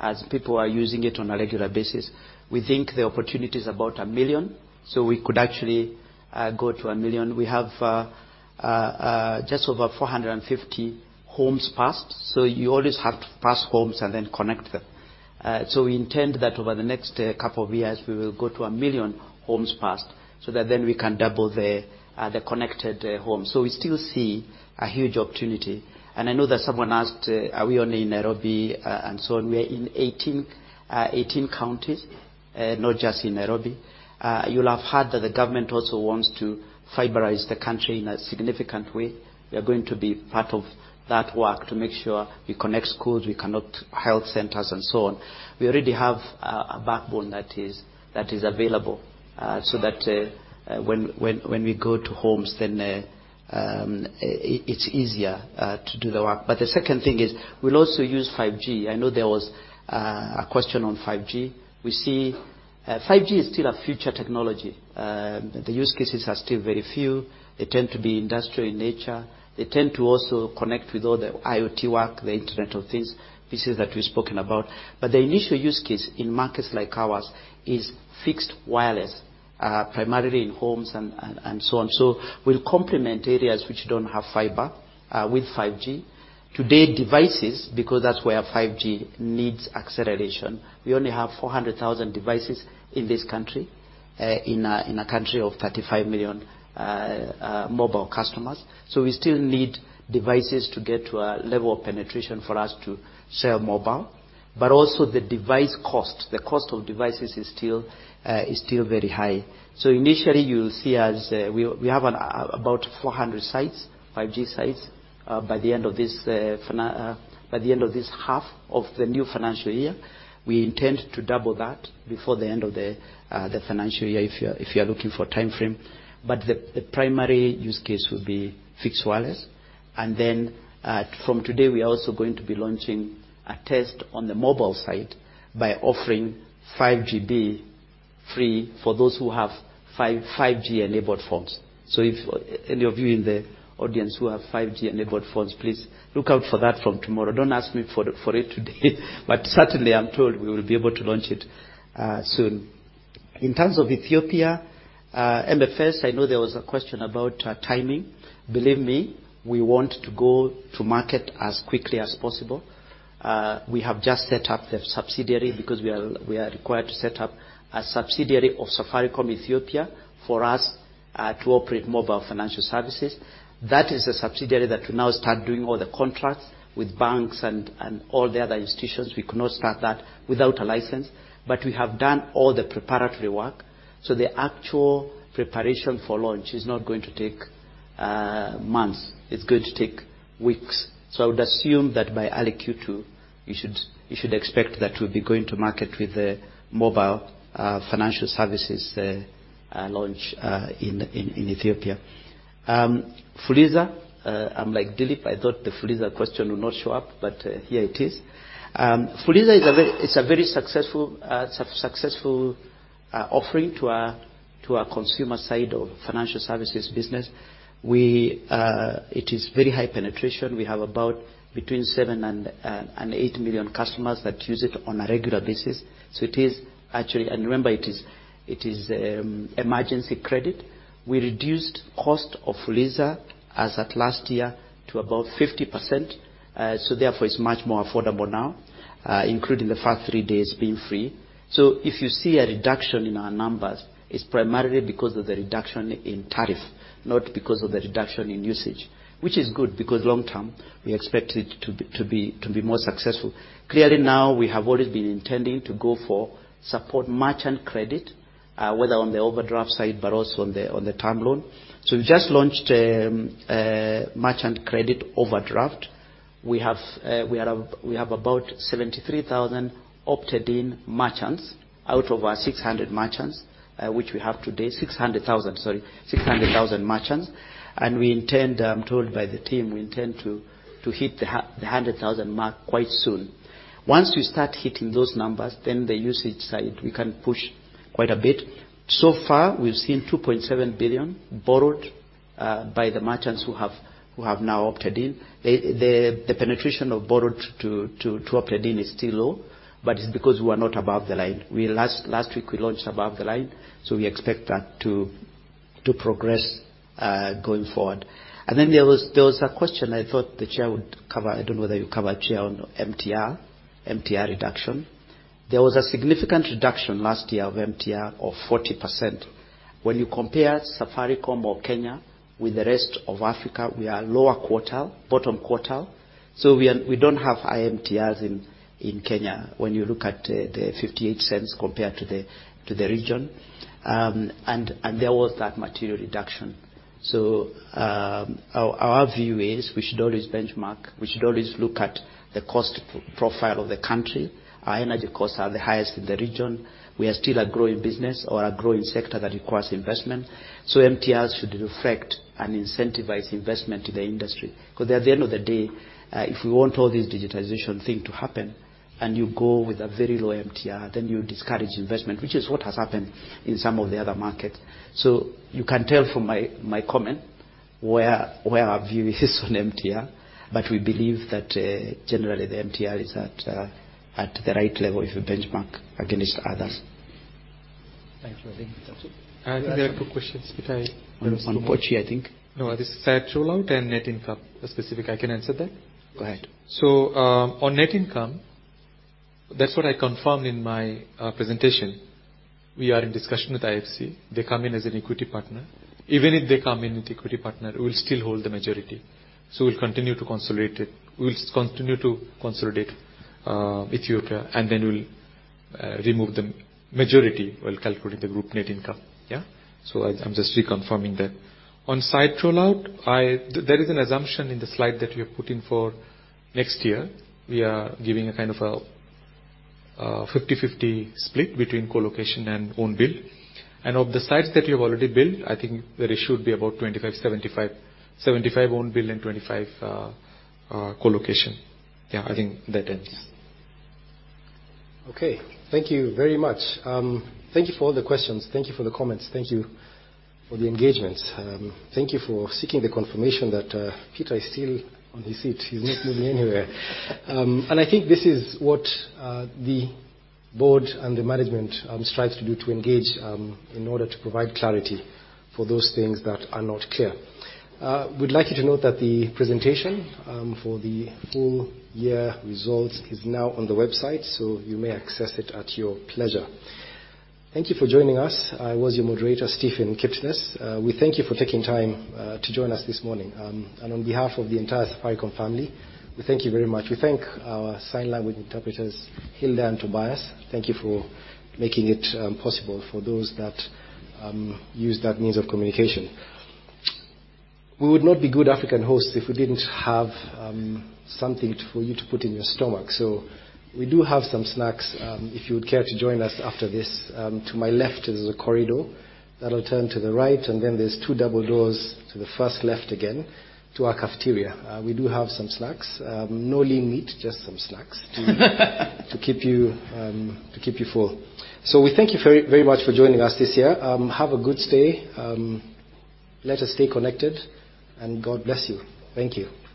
as people are using it on a regular basis. We think the opportunity is about 1 million, so we could actually go to 1 million. We have just over 450 homes passed. You always have to pass homes and then connect them. We intend that over the next couple of years, we will go to 1 million homes passed so that then we can double the connected homes. We still see a huge opportunity. I know that someone asked, are we only in Nairobi and so on. We are in 18 counties, not just in Nairobi. You'll have heard that the government also wants to fiberize the country in a significant way. We are going to be part of that work to make sure we connect schools, we connect health centers, and so on. We already have a backbone that is available so that when we go to homes, then it's easier to do the work. The second thing is we'll also use 5G. I know there was a question on 5G. We see 5G is still a future technology. The use cases are still very few. They tend to be industrial in nature. They tend to also connect with all the IoT work, the Internet of Things pieces that we've spoken about. The initial use case in markets like ours is fixed wireless, primarily in homes and so on. We'll complement areas which don't have fiber, with 5G. Today, devices, because that's where 5G needs acceleration, we only have 400,000 devices in this country, in a country of 35 million mobile customers. We still need devices to get to a level of penetration for us to sell mobile. Also the device cost, the cost of devices is still very high. Initially, you'll see us, we have about 400 sites, 5G sites, by the end of this half of the new financial year. We intend to double that before the end of the financial year, if you're looking for timeframe. The primary use case would be fixed wireless. Then, from today, we are also going to be launching a test on the mobile side by offering 5 GB-Free for those who have five-5G enabled phones. If any of you in the audience who have 5G enabled phones, please look out for that from tomorrow. Don't ask me for it today, but certainly I'm told we will be able to launch it soon. In terms of Ethiopia, MFS, I know there was a question about timing. Believe me, we want to go to market as quickly as possible. We have just set up the subsidiary because we are required to set up a subsidiary of Safaricom Ethiopia for us to operate mobile financial services. That is a subsidiary that will now start doing all the contracts with banks and all the other institutions. We could not start that without a license. We have done all the preparatory work, so the actual preparation for launch is not going to take months, it's going to take weeks. I would assume that by early Q2, you should expect that we'll be going to market with the mobile financial services launch in Ethiopia. Fuliza, I'm like Dilip, I thought the Fuliza question would not show up, here it is. Fuliza is a very successful offering to our consumer side of financial services business. It is very high penetration. We have about between 7 and 8 million customers that use it on a regular basis. Remember, it is emergency credit. We reduced cost of Fuliza as at last year to about 50%, therefore it's much more affordable now, including the first 3 days being free. If you see a reduction in our numbers, it's primarily because of the reduction in tariff, not because of the reduction in usage, which is good because long term we expect it to be more successful. Clearly now, we have always been intending to go for support merchant credit, whether on the overdraft side, but also on the term loan. We just launched merchant credit overdraft. We have about 73,000 opted-in merchants out of our 600 merchants, which we have today. 600,000, sorry. 600,000 merchants. We intend, I'm told by the team, we intend to hit the 100,000 mark quite soon. Once we start hitting those numbers, then the usage side we can push quite a bit. So far we've seen 2.7 billion borrowed by the merchants who have now opted in. The penetration of borrowed to opted in is still low, but it's because we are not above the line. We last week we launched above the line, so we expect that to progress going forward. Then there was a question I thought the chair would cover. I don't know whether you covered, Chair, on MTR reduction. There was a significant reduction last year of MTR of 40%. When you compare Safaricom or Kenya with the rest of Africa, we are lower quarter, bottom quarter, so we don't have high MTRs in Kenya when you look at 0.58 compared to the region. There was that material reduction. Our view is we should always benchmark, we should always look at the cost profile of the country. Our energy costs are the highest in the region. We are still a growing business or a growing sector that requires investment. MTRs should reflect and incentivize investment to the industry. Because at the end of the day, if we want all this digitization thing to happen and you go with a very low MTR, then you discourage investment, which is what has happened in some of the other markets. You can tell from my comment where our view is on MTR, but we believe that generally the MTR is at the right level if you benchmark against others. Thanks. I think that's it. I think there are a couple questions. On 4G, I think. No, this is site rollout and net income specific. I can answer that. Go ahead. On net income, that's what I confirmed in my presentation. We are in discussion with IFC. They come in as an equity partner. Even if they come in as equity partner, we'll still hold the majority. We'll continue to consolidate. We'll continue to consolidate Ethiopia, we'll remove the majority while calculating the group net income. Yeah. I'm just reconfirming that. On site rollout, there is an assumption in the slide that we have put in for next year. We are giving a kind of a 50/50 split between colocation and own build. Of the sites that we have already built, I think the ratio would be about 25, 75. 75 own build and 25 colocation. Yeah, I think that ends. Okay. Thank you very much. Thank you for all the questions. Thank you for the comments. Thank you for the engagement. Thank you for seeking the confirmation that Peter is still on his seat. He's not moving anywhere. I think this is what the board and the management strives to do, to engage in order to provide clarity for those things that are not clear. We'd like you to note that the presentation for the full year results is now on the website, so you may access it at your pleasure. Thank you for joining us. I was your moderator, Stephen Kiptess. We thank you for taking time to join us this morning. On behalf of the entire Safaricom family, we thank you very much. We thank our sign language interpreters, Hilda and Tobias. Thank you for making it possible for those that use that means of communication. We would not be good African hosts if we didn't have something for you to put in your stomach. We do have some snacks if you would care to join us after this. To my left is a corridor that'll turn to the right, and then there's 2 double doors to the first left again to our cafeteria. We do have some snacks. No lean meat, just some snacks to keep you full. We thank you very, very much for joining us this year. Have a good stay. Let us stay connected, and God bless you. Thank you.